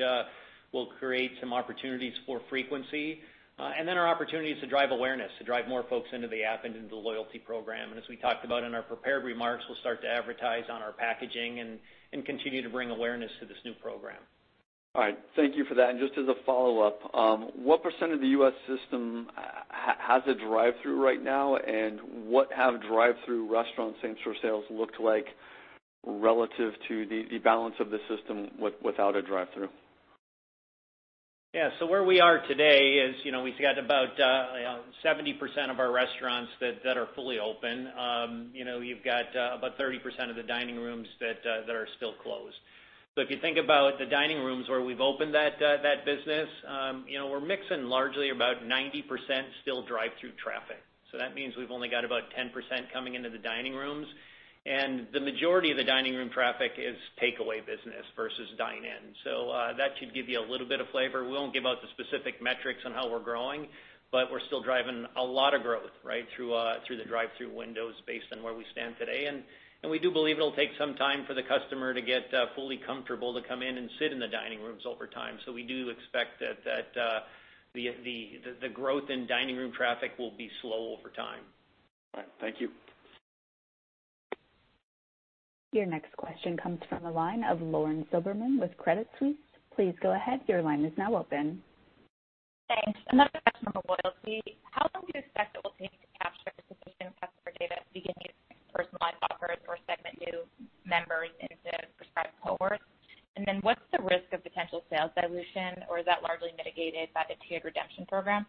will create some opportunities for frequency. Our opportunities to drive awareness, to drive more folks into the App and into the loyalty program. As we talked about in our prepared remarks, we'll start to advertise on our packaging and continue to bring awareness to this new program. All right. Thank you for that. Just as a follow-up, what % of the U.S. system has a drive-thru right now? What have drive-thru restaurant same-store sales looked like relative to the balance of the system without a drive-thru? Yeah. Where we are today is we've got about 70% of our restaurants that are fully open. You've got about 30% of the dining rooms that are still closed. If you think about the dining rooms where we've opened that business, we're mixing largely about 90% still drive-thru traffic. That means we've only got about 10% coming into the dining rooms, and the majority of the dining room traffic is takeaway business versus dine in. That should give you a little bit of flavor. We won't give out the specific metrics on how we're growing, but we're still driving a lot of growth through the drive-thru windows based on where we stand today. We do believe it'll take some time for the customer to get fully comfortable to come in and sit in the dining rooms over time. We do expect that the growth in dining room traffic will be slow over time. All right. Thank you. Your next question comes from the line of Lauren Silberman with Credit Suisse. Please go ahead. Thanks. Another question for loyalty. How long do you expect it will take to capture sufficient customer data to begin to personalize offers or segment new members into prescribed cohorts? What's the risk of potential sales dilution, or is that largely mitigated by the tiered redemption program?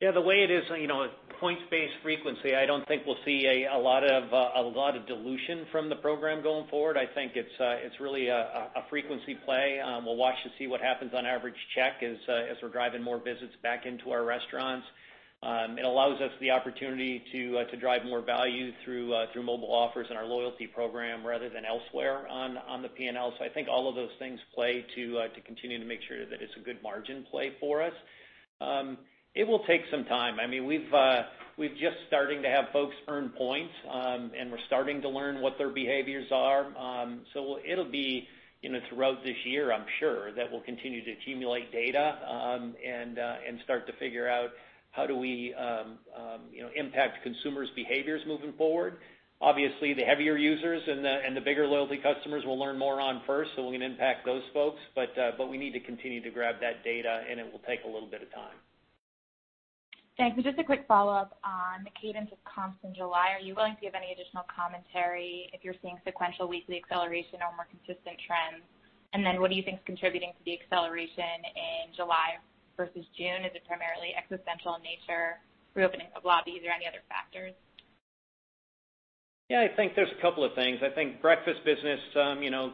Yeah, the way it is points-based frequency, I don't think we'll see a lot of dilution from the program going forward. I think it's really a frequency play. We'll watch to see what happens on average check as we're driving more visits back into our restaurants. It allows us the opportunity to drive more value through mobile offers in our loyalty program rather than elsewhere on the P&L. I think all of those things play to continue to make sure that it's a good margin play for us. It will take some time. We've just starting to have folks earn points, and we're starting to learn what their behaviors are. It'll be throughout this year, I'm sure, that we'll continue to accumulate data, and start to figure out how do we impact consumers' behaviors moving forward. Obviously, the heavier users and the bigger loyalty customers will learn more on first, so we're going to impact those folks. We need to continue to grab that data, and it will take a little bit of time. Thanks. Just a quick follow-up on the cadence of comps in July. Are you willing to give any additional commentary if you're seeing sequential weekly acceleration or more consistent trends? What do you think is contributing to the acceleration in July versus June? Is it primarily existential in nature, reopening of lobbies, or any other factors? Yeah, I think there's a couple of things. I think breakfast business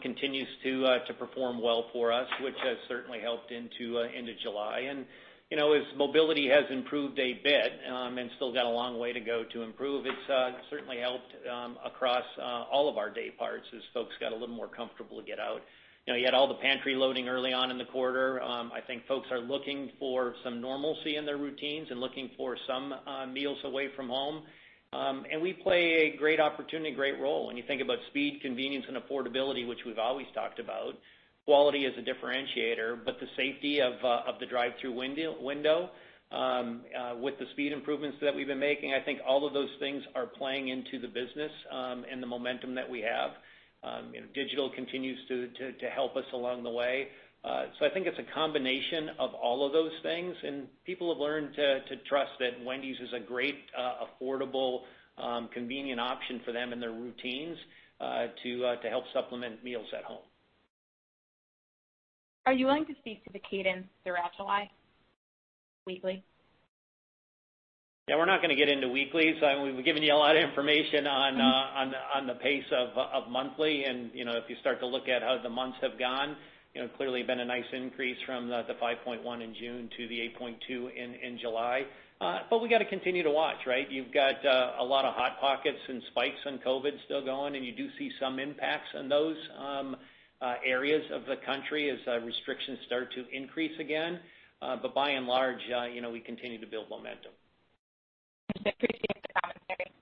continues to perform well for us, which has certainly helped into July. As mobility has improved a bit, and still got a long way to go to improve, it's certainly helped across all of our day parts as folks got a little more comfortable to get out. You had all the pantry loading early on in the quarter. I think folks are looking for some normalcy in their routines and looking for some meals away from home. We play a great opportunity, great role when you think about speed, convenience, and affordability, which we've always talked about. Quality is a differentiator, but the safety of the drive-thru window, with the speed improvements that we've been making, I think all of those things are playing into the business, and the momentum that we have. Digital continues to help us along the way. I think it's a combination of all of those things, and people have learned to trust that Wendy's is a great, affordable, convenient option for them and their routines, to help supplement meals at home. Are you willing to speak to the cadence throughout July weekly? Yeah, we're not going to get into weeklies. We've given you a lot of information on the pace of monthly. If you start to look at how the months have gone, clearly been a nice increase from the 5.1% in June to the 8.2% in July. We got to continue to watch, right? You've got a lot of hot pockets and spikes on COVID-19 still going. You do see some impacts on those areas of the country as restrictions start to increase again. By and large, we continue to build momentum. I appreciate the commentary.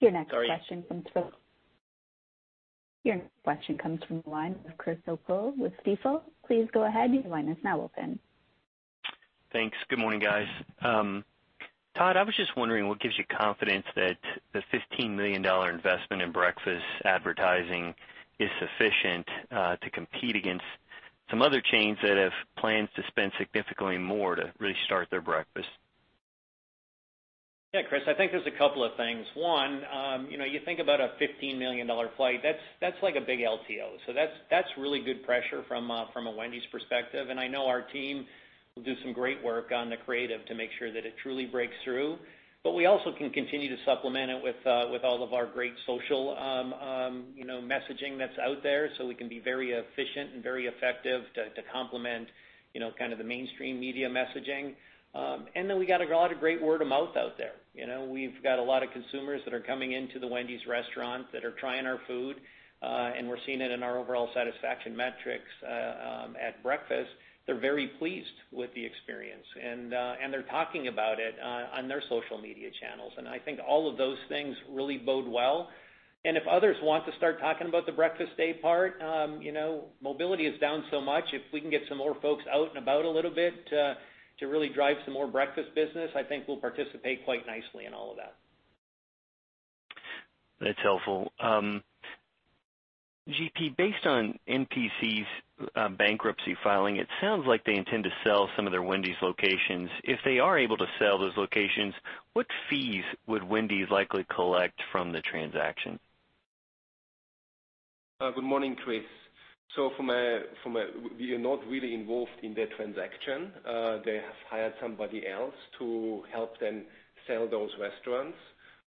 Sorry. Your next question comes from the line of Chris O'Cull with Stifel. Please go ahead. Your line is now open. Thanks. Good morning, guys. Todd, I was just wondering what gives you confidence that the $15 million investment in breakfast advertising is sufficient to compete against some other chains that have plans to spend significantly more to really start their breakfast? Yeah, Chris, I think there's a couple of things. One, you think about a $15 million flight, that's like a big LTO. That's really good pressure from a Wendy's perspective. I know our team will do some great work on the creative to make sure that it truly breaks through, but we also can continue to supplement it with all of our great social messaging that's out there, so we can be very efficient and very effective to complement the mainstream media messaging. We got a lot of great word of mouth out there. We've got a lot of consumers that are coming into the Wendy's restaurants that are trying our food, and we're seeing it in our overall satisfaction metrics at breakfast. They're very pleased with the experience, and they're talking about it on their social media channels. I think all of those things really bode well. If others want to start talking about the breakfast day part, mobility is down so much. If we can get some more folks out and about a little bit to really drive some more breakfast business, I think we'll participate quite nicely in all of that. That's helpful. G.P., based on NPC's bankruptcy filing, it sounds like they intend to sell some of their Wendy's locations. If they are able to sell those locations, what fees would Wendy's likely collect from the transaction? Good morning, Chris. We are not really involved in that transaction. They have hired somebody else to help them sell those restaurants.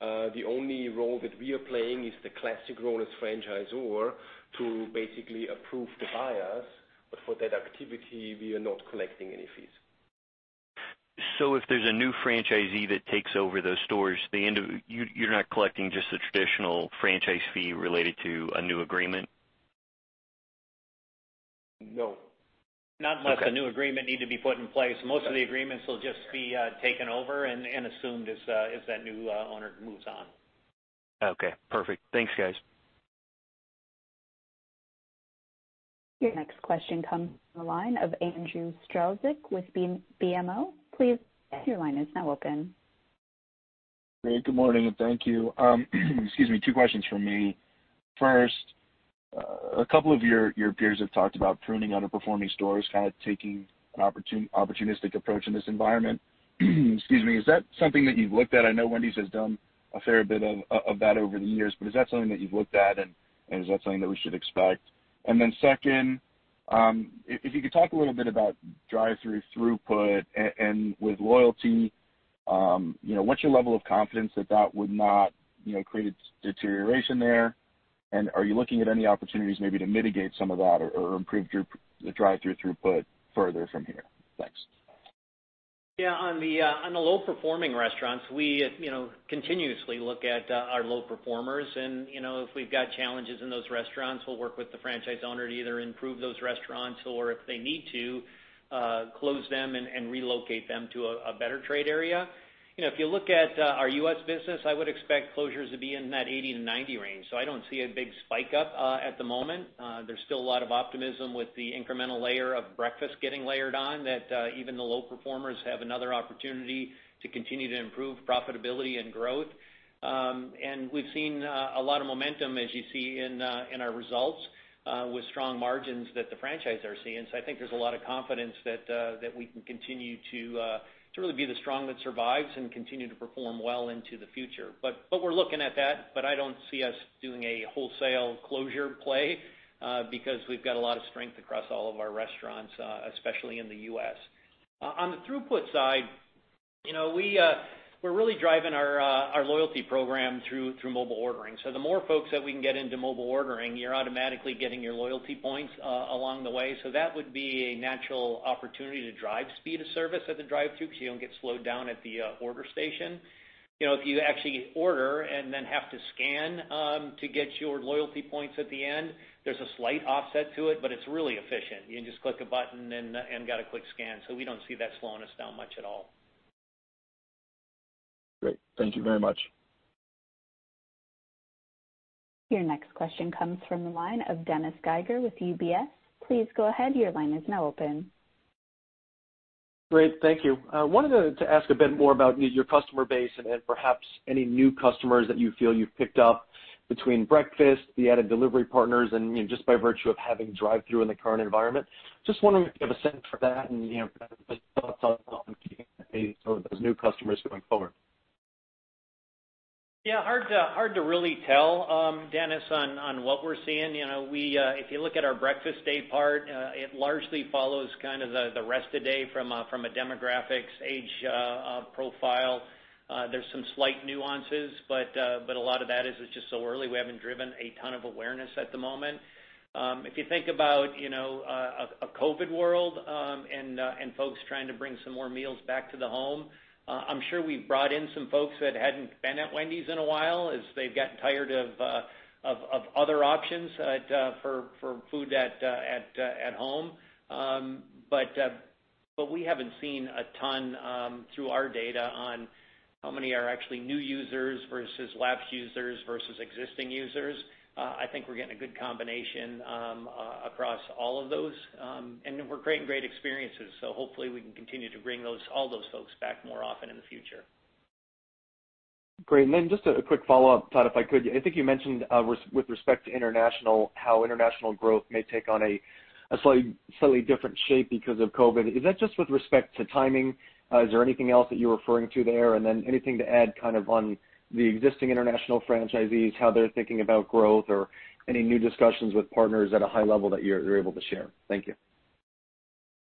The only role that we are playing is the classic role as franchisor to basically approve the buyers. For that activity, we are not collecting any fees. If there's a new franchisee that takes over those stores, you're not collecting just the traditional franchise fee related to a new agreement? No. Not unless a new agreement needed to be put in place. Most of the agreements will just be taken over and assumed as that new owner moves on. Okay, perfect. Thanks, guys. Your next question comes from the line of Andrew Strelzik with BMO. Please, your line is now open. Great. Good morning. Thank you. Excuse me. Two questions from me. First, a couple of your peers have talked about pruning underperforming stores, kind of taking an opportunistic approach in this environment. Excuse me. Is that something that you've looked at? I know Wendy's has done a fair bit of that over the years, but is that something that you've looked at, and is that something that we should expect? Second, if you could talk a little bit about drive-through throughput and with loyalty, what's your level of confidence that that would not create a deterioration there? Are you looking at any opportunities maybe to mitigate some of that or improve the drive-through throughput further from here? Thanks. On the low-performing restaurants, we continuously look at our low-performers, and if we've got challenges in those restaurants, we'll work with the franchise owner to either improve those restaurants or if they need to, close them and relocate them to a better trade area. If you look at our U.S. business, I would expect closures to be in that 80%-90% range. I don't see a big spike up at the moment. There's still a lot of optimism with the incremental layer of breakfast getting layered on that even the low-performers have another opportunity to continue to improve profitability and growth. We've seen a lot of momentum, as you see in our results, with strong margins that the franchisees are seeing. I think there's a lot of confidence that we can continue to really be the strong that survives and continue to perform well into the future. We're looking at that, but I don't see us doing a wholesale closure play, because we've got a lot of strength across all of our restaurants, especially in the U.S. On the throughput side, we're really driving our loyalty program through mobile ordering. The more folks that we can get into mobile ordering, you're automatically getting your loyalty points along the way. That would be a natural opportunity to drive speed of service at the drive-through because you don't get slowed down at the order station. If you actually order and then have to scan to get your loyalty points at the end, there's a slight offset to it, but it's really efficient. You can just click a button and got a quick scan. We don't see that slowing us down much at all. Great. Thank you very much. Your next question comes from the line of Dennis Geiger with UBS. Please go ahead. Great. Thank you. I wanted to ask a bit more about your customer base and perhaps any new customers that you feel you've picked up between breakfast, the added delivery partners, and just by virtue of having drive-through in the current environment. Just wanted to get a sense for that and thoughts on keeping those new customers going forward. Hard to really tell, Dennis, on what we're seeing. If you look at our breakfast day part, it largely follows kind of the rest of day from a demographics age profile. There's some slight nuances, but a lot of that is it's just so early. We haven't driven a ton of awareness at the moment. If you think about a COVID world, and folks trying to bring some more meals back to the home, I'm sure we've brought in some folks that hadn't been at Wendy's in a while as they've gotten tired of other options for food at home. But we haven't seen a ton through our data on how many are actually new users versus lapsed users versus existing users. I think we're getting a good combination across all of those. We're creating great experiences, so hopefully we can continue to bring all those folks back more often in the future. Great. Just a quick follow-up, Todd, if I could. I think you mentioned with respect to international, how international growth may take on a slightly different shape because of COVID-19. Is that just with respect to timing? Is there anything else that you're referring to there? Anything to add kind of on the existing international franchisees, how they're thinking about growth or any new discussions with partners at a high level that you're able to share? Thank you.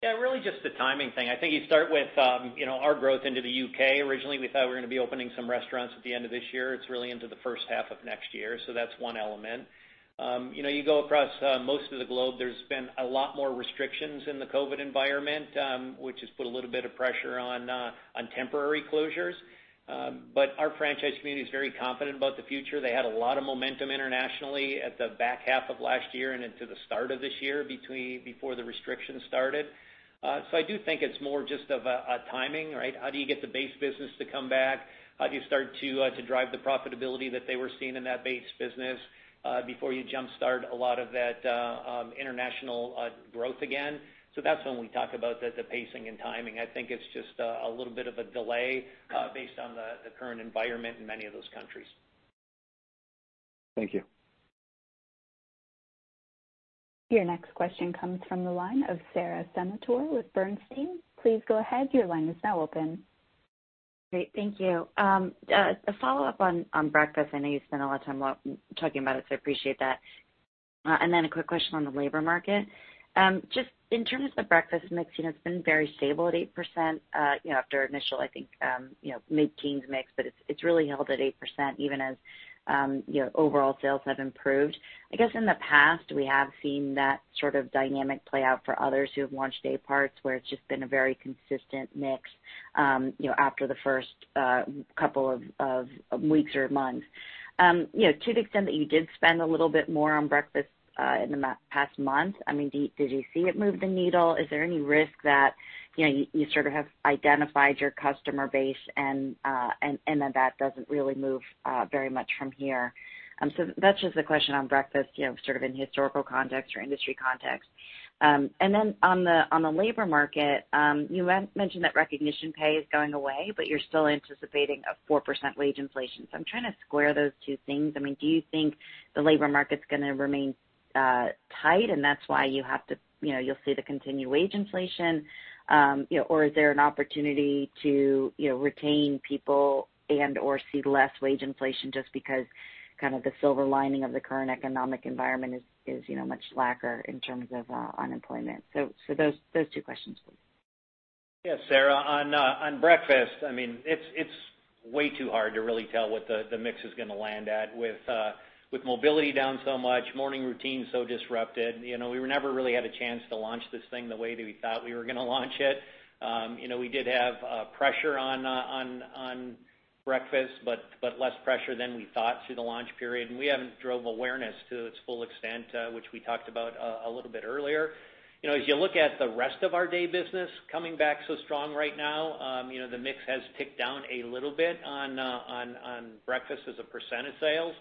Yeah, really just the timing thing. I think you start with our growth into the U.K. Originally, we thought we were going to be opening some restaurants at the end of this year. It's really into the first half of next year, so that's one element. You go across most of the globe, there's been a lot more restrictions in the COVID-19 environment, which has put a little bit of pressure on temporary closures. Our franchise community is very confident about the future. They had a lot of momentum internationally at the back half of last year and into the start of this year, before the restrictions started. I do think it's more just of a timing, right? How do you get the base business to come back? How do you start to drive the profitability that they were seeing in that base business, before you jumpstart a lot of that international growth again? That's when we talk about the pacing and timing. I think it's just a little bit of a delay based on the current environment in many of those countries. Thank you. Your next question comes from the line of Sara Senatore with Bernstein. Great, thank you. A follow-up on breakfast. I know you spent a lot of time talking about it. I appreciate that. A quick question on the labor market. Just in terms of the breakfast mix, it's been very stable at 8% after initial, I think, mid-teens mix, but it's really held at 8%, even as your overall sales have improved. I guess in the past, we have seen that sort of dynamic play out for others who have launched day parts, where it's just been a very consistent mix after the first couple of weeks or months. To the extent that you did spend a little bit more on breakfast in the past month, did you see it move the needle? Is there any risk that you sort of have identified your customer base and that that doesn't really move very much from here? That's just a question on breakfast, sort of in historical context or industry context. On the labor market, you mentioned that recognition pay is going away, but you're still anticipating a 4% wage inflation. I'm trying to square those two things. Do you think the labor market's going to remain tight and that's why you'll see the continued wage inflation? Or is there an opportunity to retain people and/or see less wage inflation just because kind of the silver lining of the current economic environment is much slack in terms of unemployment? Those two questions, please. Yeah, Sara, on breakfast, it's way too hard to really tell what the mix is going to land at with mobility down so much, morning routine so disrupted. We never really had a chance to launch this thing the way that we thought we were going to launch it. We did have pressure on breakfast, but less pressure than we thought through the launch period, and we haven't drove awareness to its full extent, which we talked about a little bit earlier. As you look at the rest of our day business coming back so strong right now, the mix has ticked down a little bit on breakfast as a % of sales,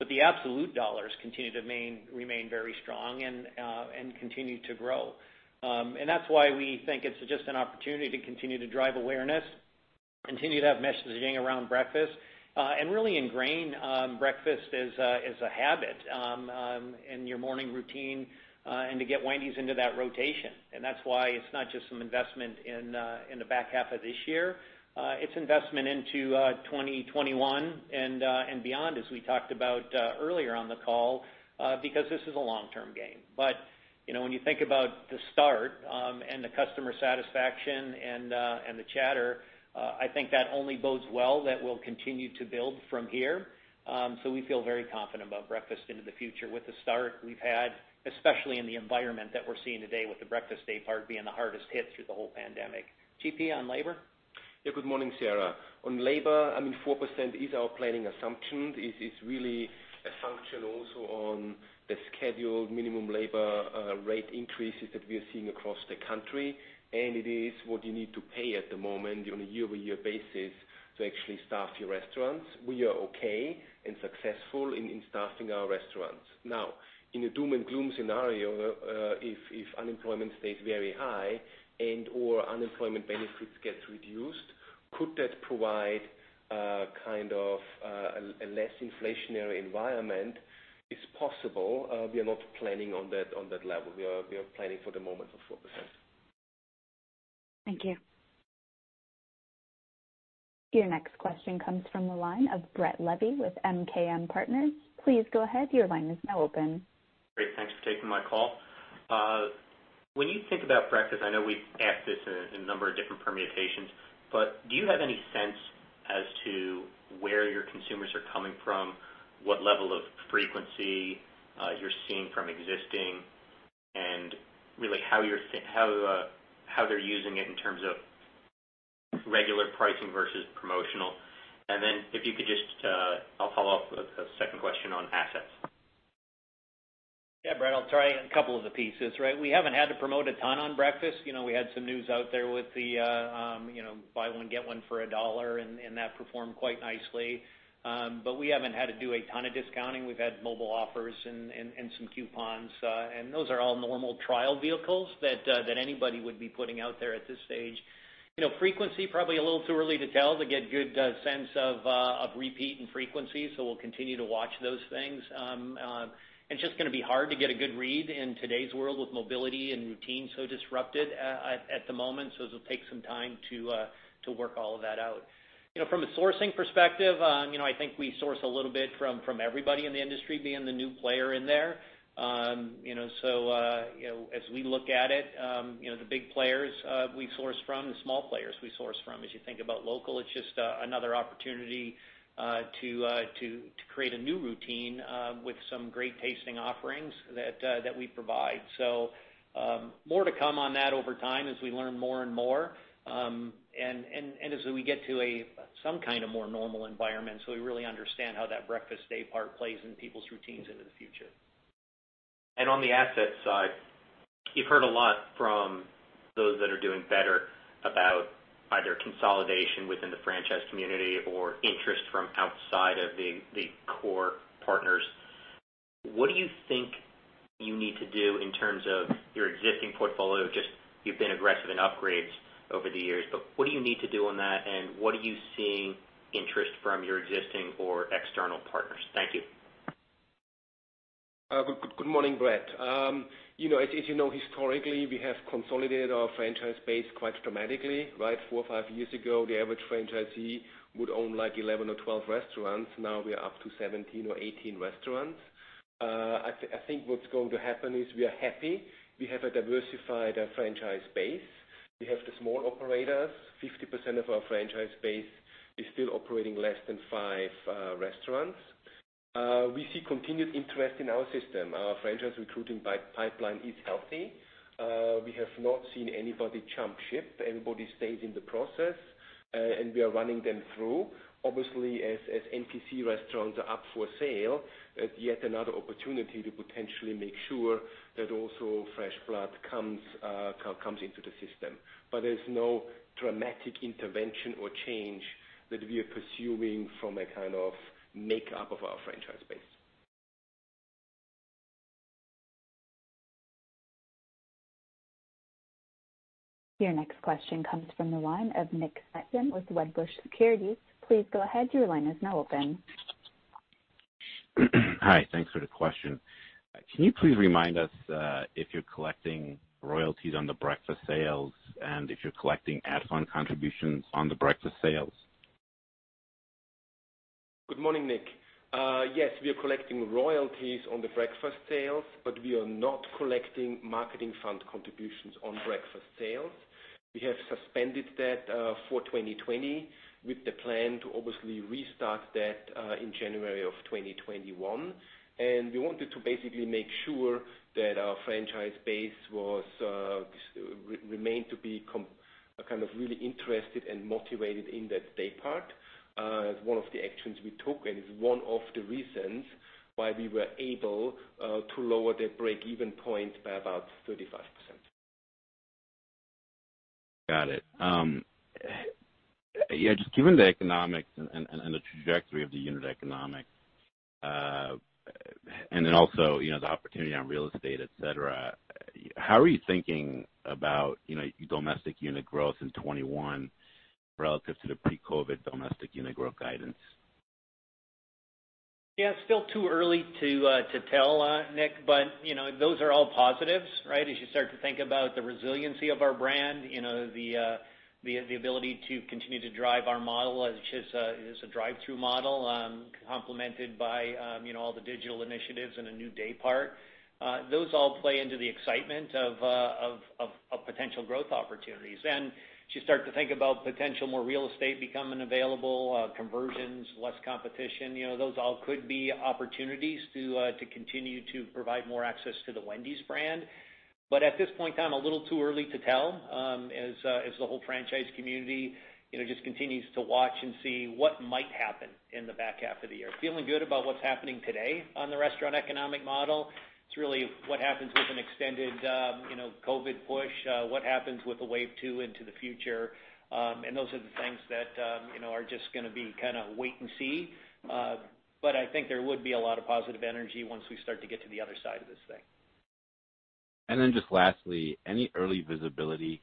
but the absolute dollars continue to remain very strong and continue to grow. That's why we think it's just an opportunity to continue to drive awareness, continue to have messaging around breakfast, and really ingrain breakfast as a habit in your morning routine, and to get Wendy's into that rotation. That's why it's not just some investment in the back half of this year. It's investment into 2021 and beyond, as we talked about earlier on the call, because this is a long-term game. When you think about the start and the customer satisfaction and the chatter, I think that only bodes well that we'll continue to build from here. We feel very confident about breakfast into the future with the start we've had, especially in the environment that we're seeing today with the breakfast day part being the hardest hit through the whole pandemic. G.P., on labor? Yeah, good morning, Sara. On labor, 4% is our planning assumption. It is really a function also on the scheduled minimum labor rate increases that we are seeing across the country, and it is what you need to pay at the moment on a year-over-year basis to actually staff your restaurants. We are okay and successful in staffing our restaurants. In a doom and gloom scenario, if unemployment stays very high and/or unemployment benefits get reduced, could that provide a kind of a less inflationary environment? It's possible. We are not planning on that level. We are planning for the moment for 4%. Thank you. Your next question comes from the line of Brett Levy with MKM Partners. Please go ahead, your line is now open. Great, thanks for taking my call. When you think about breakfast, I know we've asked this in a number of different permutations, but do you have any sense as to where your consumers are coming from, what level of frequency you're seeing from existing, and really how they're using it in terms of regular pricing versus promotional? If you could, I'll follow up with a second question on assets. Yeah, Brett, I'll try a couple of the pieces, right? We haven't had to promote a ton on breakfast. We had some news out there with the buy one, get one for a dollar, that performed quite nicely. We haven't had to do a ton of discounting. We've had mobile offers and some coupons. Those are all normal trial vehicles that anybody would be putting out there at this stage. Frequency, probably a little too early to tell to get good sense of repeat and frequency, we'll continue to watch those things. It's just going to be hard to get a good read in today's world with mobility and routine so disrupted at the moment, it'll take some time to work all of that out. From a sourcing perspective, I think we source a little bit from everybody in the industry being the new player in there. As we look at it, the big players we source from, the small players we source from. As you think about local, it's just another opportunity to create a new routine with some great tasting offerings that we provide. More to come on that over time as we learn more and more, and as we get to some kind of more normal environment, so we really understand how that breakfast day part plays in people's routines into the future. On the asset side, you've heard a lot from those that are doing better about either consolidation within the franchise community or interest from outside of the core partners. What do you think you need to do in terms of your existing portfolio? Just, you've been aggressive in upgrades over the years, but what do you need to do on that, and what are you seeing interest from your existing or external partners? Thank you. Good morning, Brett. As you know, historically, we have consolidated our franchise base quite dramatically, right? Four or five years ago, the average franchisee would own 11 or 12 restaurants. Now we are up to 17 or 18 restaurants. I think what's going to happen is we are happy. We have a diversified franchise base. We have the small operators. 50% of our franchise base is still operating less than five restaurants. We see continued interest in our system. Our franchise recruiting pipeline is healthy. We have not seen anybody jump ship. Everybody stays in the process, and we are running them through. Obviously, as NPC restaurants are up for sale, yet another opportunity to potentially make sure that also fresh blood comes into the system. There's no dramatic intervention or change that we are pursuing from a kind of makeup of our franchise base. Your next question comes from the line of Nick Setyan with Wedbush Securities. Hi, thanks for the question. Can you please remind us if you're collecting royalties on the breakfast sales and if you're collecting ad fund contributions on the breakfast sales? Good morning, Nick. Yes, we are collecting royalties on the breakfast sales, but we are not collecting marketing fund contributions on breakfast sales. We have suspended that for 2020 with the plan to obviously restart that in January of 2021. We wanted to basically make sure that our franchise base remained to be kind of really interested and motivated in that day part. As one of the actions we took, and it's one of the reasons why we were able to lower the break-even point by about 35%. Got it. Yeah, just given the economics and the trajectory of the unit economics, and then also the opportunity on real estate, et cetera, how are you thinking about your domestic unit growth in 2021 relative to the pre-COVID domestic unit growth guidance? Yeah, it's still too early to tell, Nick, those are all positives, right? As you start to think about the resiliency of our brand, the ability to continue to drive our model, which is a drive-through model complemented by all the digital initiatives and a new day part. Those all play into the excitement of potential growth opportunities. As you start to think about potential more real estate becoming available, conversions, less competition, those all could be opportunities to continue to provide more access to the Wendy's brand. At this point in time, a little too early to tell, as the whole franchise community just continues to watch and see what might happen in the back half of the year. Feeling good about what's happening today on the restaurant economic model. It's really what happens with an extended COVID push, what happens with a wave two into the future. Those are the things that are just going to be kind of wait and see. I think there would be a lot of positive energy once we start to get to the other side of this thing. Just lastly, any early visibility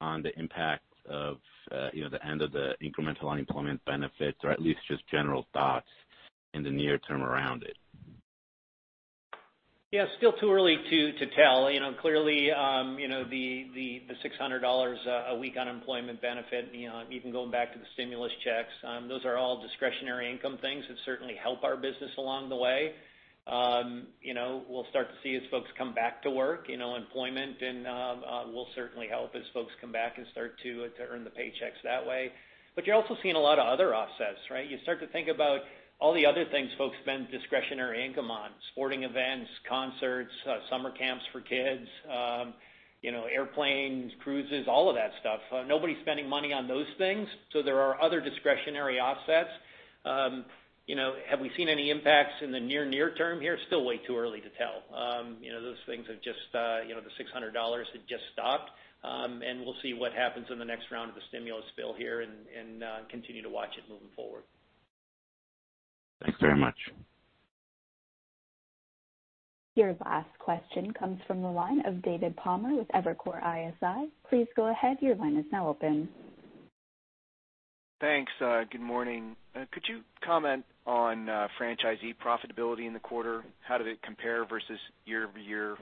on the impact of the end of the incremental unemployment benefits or at least just general thoughts in the near term around it? Yeah, still too early to tell. Clearly, the $600 a week unemployment benefit, even going back to the stimulus checks, those are all discretionary income things that certainly help our business along the way. We'll start to see as folks come back to work, employment will certainly help as folks come back and start to earn the paychecks that way. You're also seeing a lot of other offsets, right? You start to think about all the other things folks spend discretionary income on, sporting events, concerts, summer camps for kids, airplanes, cruises, all of that stuff. Nobody's spending money on those things, so there are other discretionary offsets. Have we seen any impacts in the near term here? Still way too early to tell. Those things have just the $600 had just stopped. We'll see what happens in the next round of the stimulus bill here and continue to watch it moving forward. Thanks very much. Your last question comes from the line of David Palmer with Evercore ISI. Please go ahead, your line is now open. Thanks. Good morning. Could you comment on franchisee profitability in the quarter? How did it compare versus year-over-year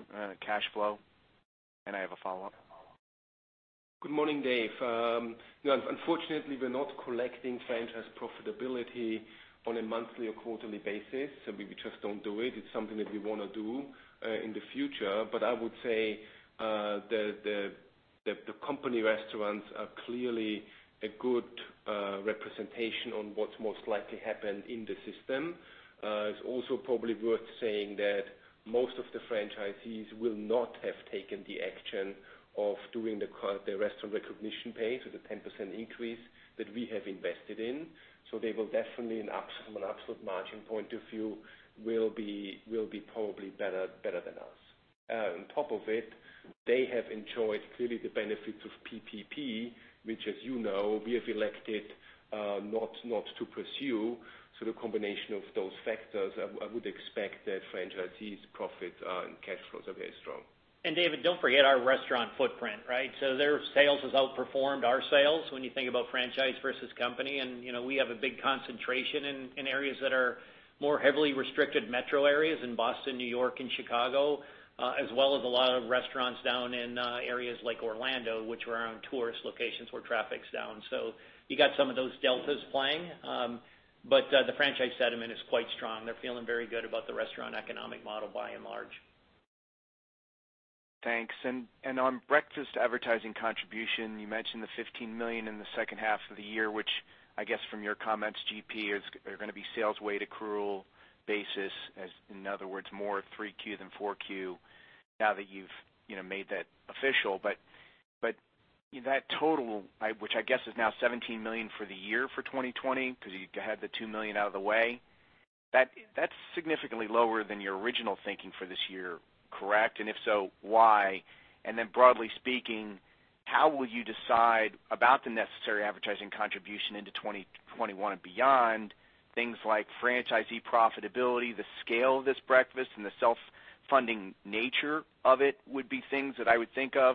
cash flow? I have a follow-up. Good morning, Dave. Unfortunately, we're not collecting franchise profitability on a monthly or quarterly basis. We just don't do it. It's something that we want to do in the future. I would say that the company restaurants are clearly a good representation on what's most likely happened in the system. It's also probably worth saying that most of the franchisees will not have taken the action of doing the restaurant recognition pay, so the 10% increase that we have invested in. They will definitely, from an absolute margin point of view, will be probably better than us. On top of it, they have enjoyed clearly the benefits of PPP, which, as you know, we have elected not to pursue. The combination of those factors, I would expect that franchisees' profit and cash flows are very strong. David, don't forget our restaurant footprint, right? Their sales has outperformed our sales when you think about franchise versus company, and we have a big concentration in areas that are more heavily restricted metro areas in Boston, New York, and Chicago, as well as a lot of restaurants down in areas like Orlando, which are around tourist locations where traffic's down. You got some of those deltas playing. The franchise sentiment is quite strong. They're feeling very good about the restaurant economic model by and large. Thanks. On breakfast advertising contribution, you mentioned the $15 million in the second half of the year, which I guess from your comments, G.P., are going to be sales weight accrual basis. In other words, more 3Q than 4Q now that you've made that official. That total, which I guess is now $17 million for the year for 2020, because you had the $2 million out of the way, that's significantly lower than your original thinking for this year, correct? If so, why? Then broadly speaking, how will you decide about the necessary advertising contribution into 2021 and beyond? Things like franchisee profitability, the scale of this breakfast, and the self-funding nature of it would be things that I would think of.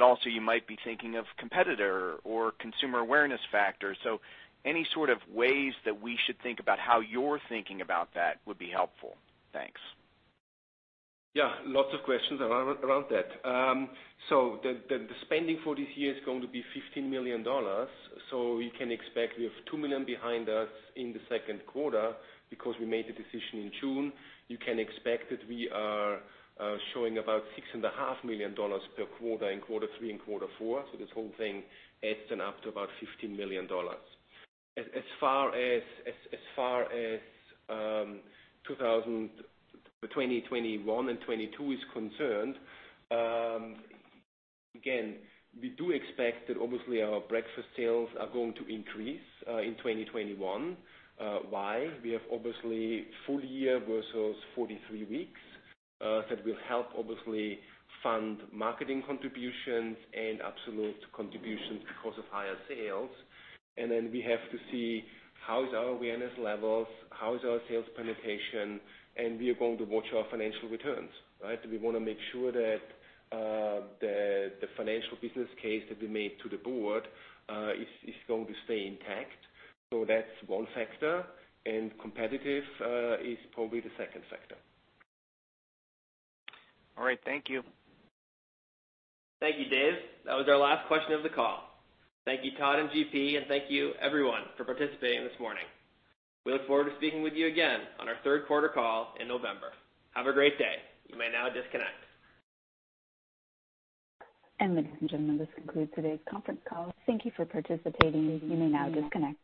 Also you might be thinking of competitor or consumer awareness factors. Any sort of ways that we should think about how you're thinking about that would be helpful. Thanks. Yeah, lots of questions around that. The spending for this year is going to be $15 million. We can expect we have $2 million behind us in the second quarter because we made the decision in June. You can expect that we are showing about $6.5 million per quarter in quarter three and quarter four. This whole thing adds an up to about $15 million. As far as 2021 and 2022 is concerned, again, we do expect that obviously our breakfast sales are going to increase in 2021. Why? We have obviously full year versus 43 weeks, that will help obviously fund marketing contributions and absolute contributions because of higher sales. We have to see how is our awareness levels, how is our sales penetration, and we are going to watch our financial returns, right? We want to make sure that the financial business case that we made to the board is going to stay intact. That's one factor. Competitive is probably the second factor. All right. Thank you. Thank you, Dave. That was our last question of the call. Thank you, Todd and G.P., and thank you everyone for participating this morning. We look forward to speaking with you again on our third quarter call in November. Have a great day. You may now disconnect. Ladies and gentlemen, this concludes today's conference call. Thank you for participating. You may now disconnect.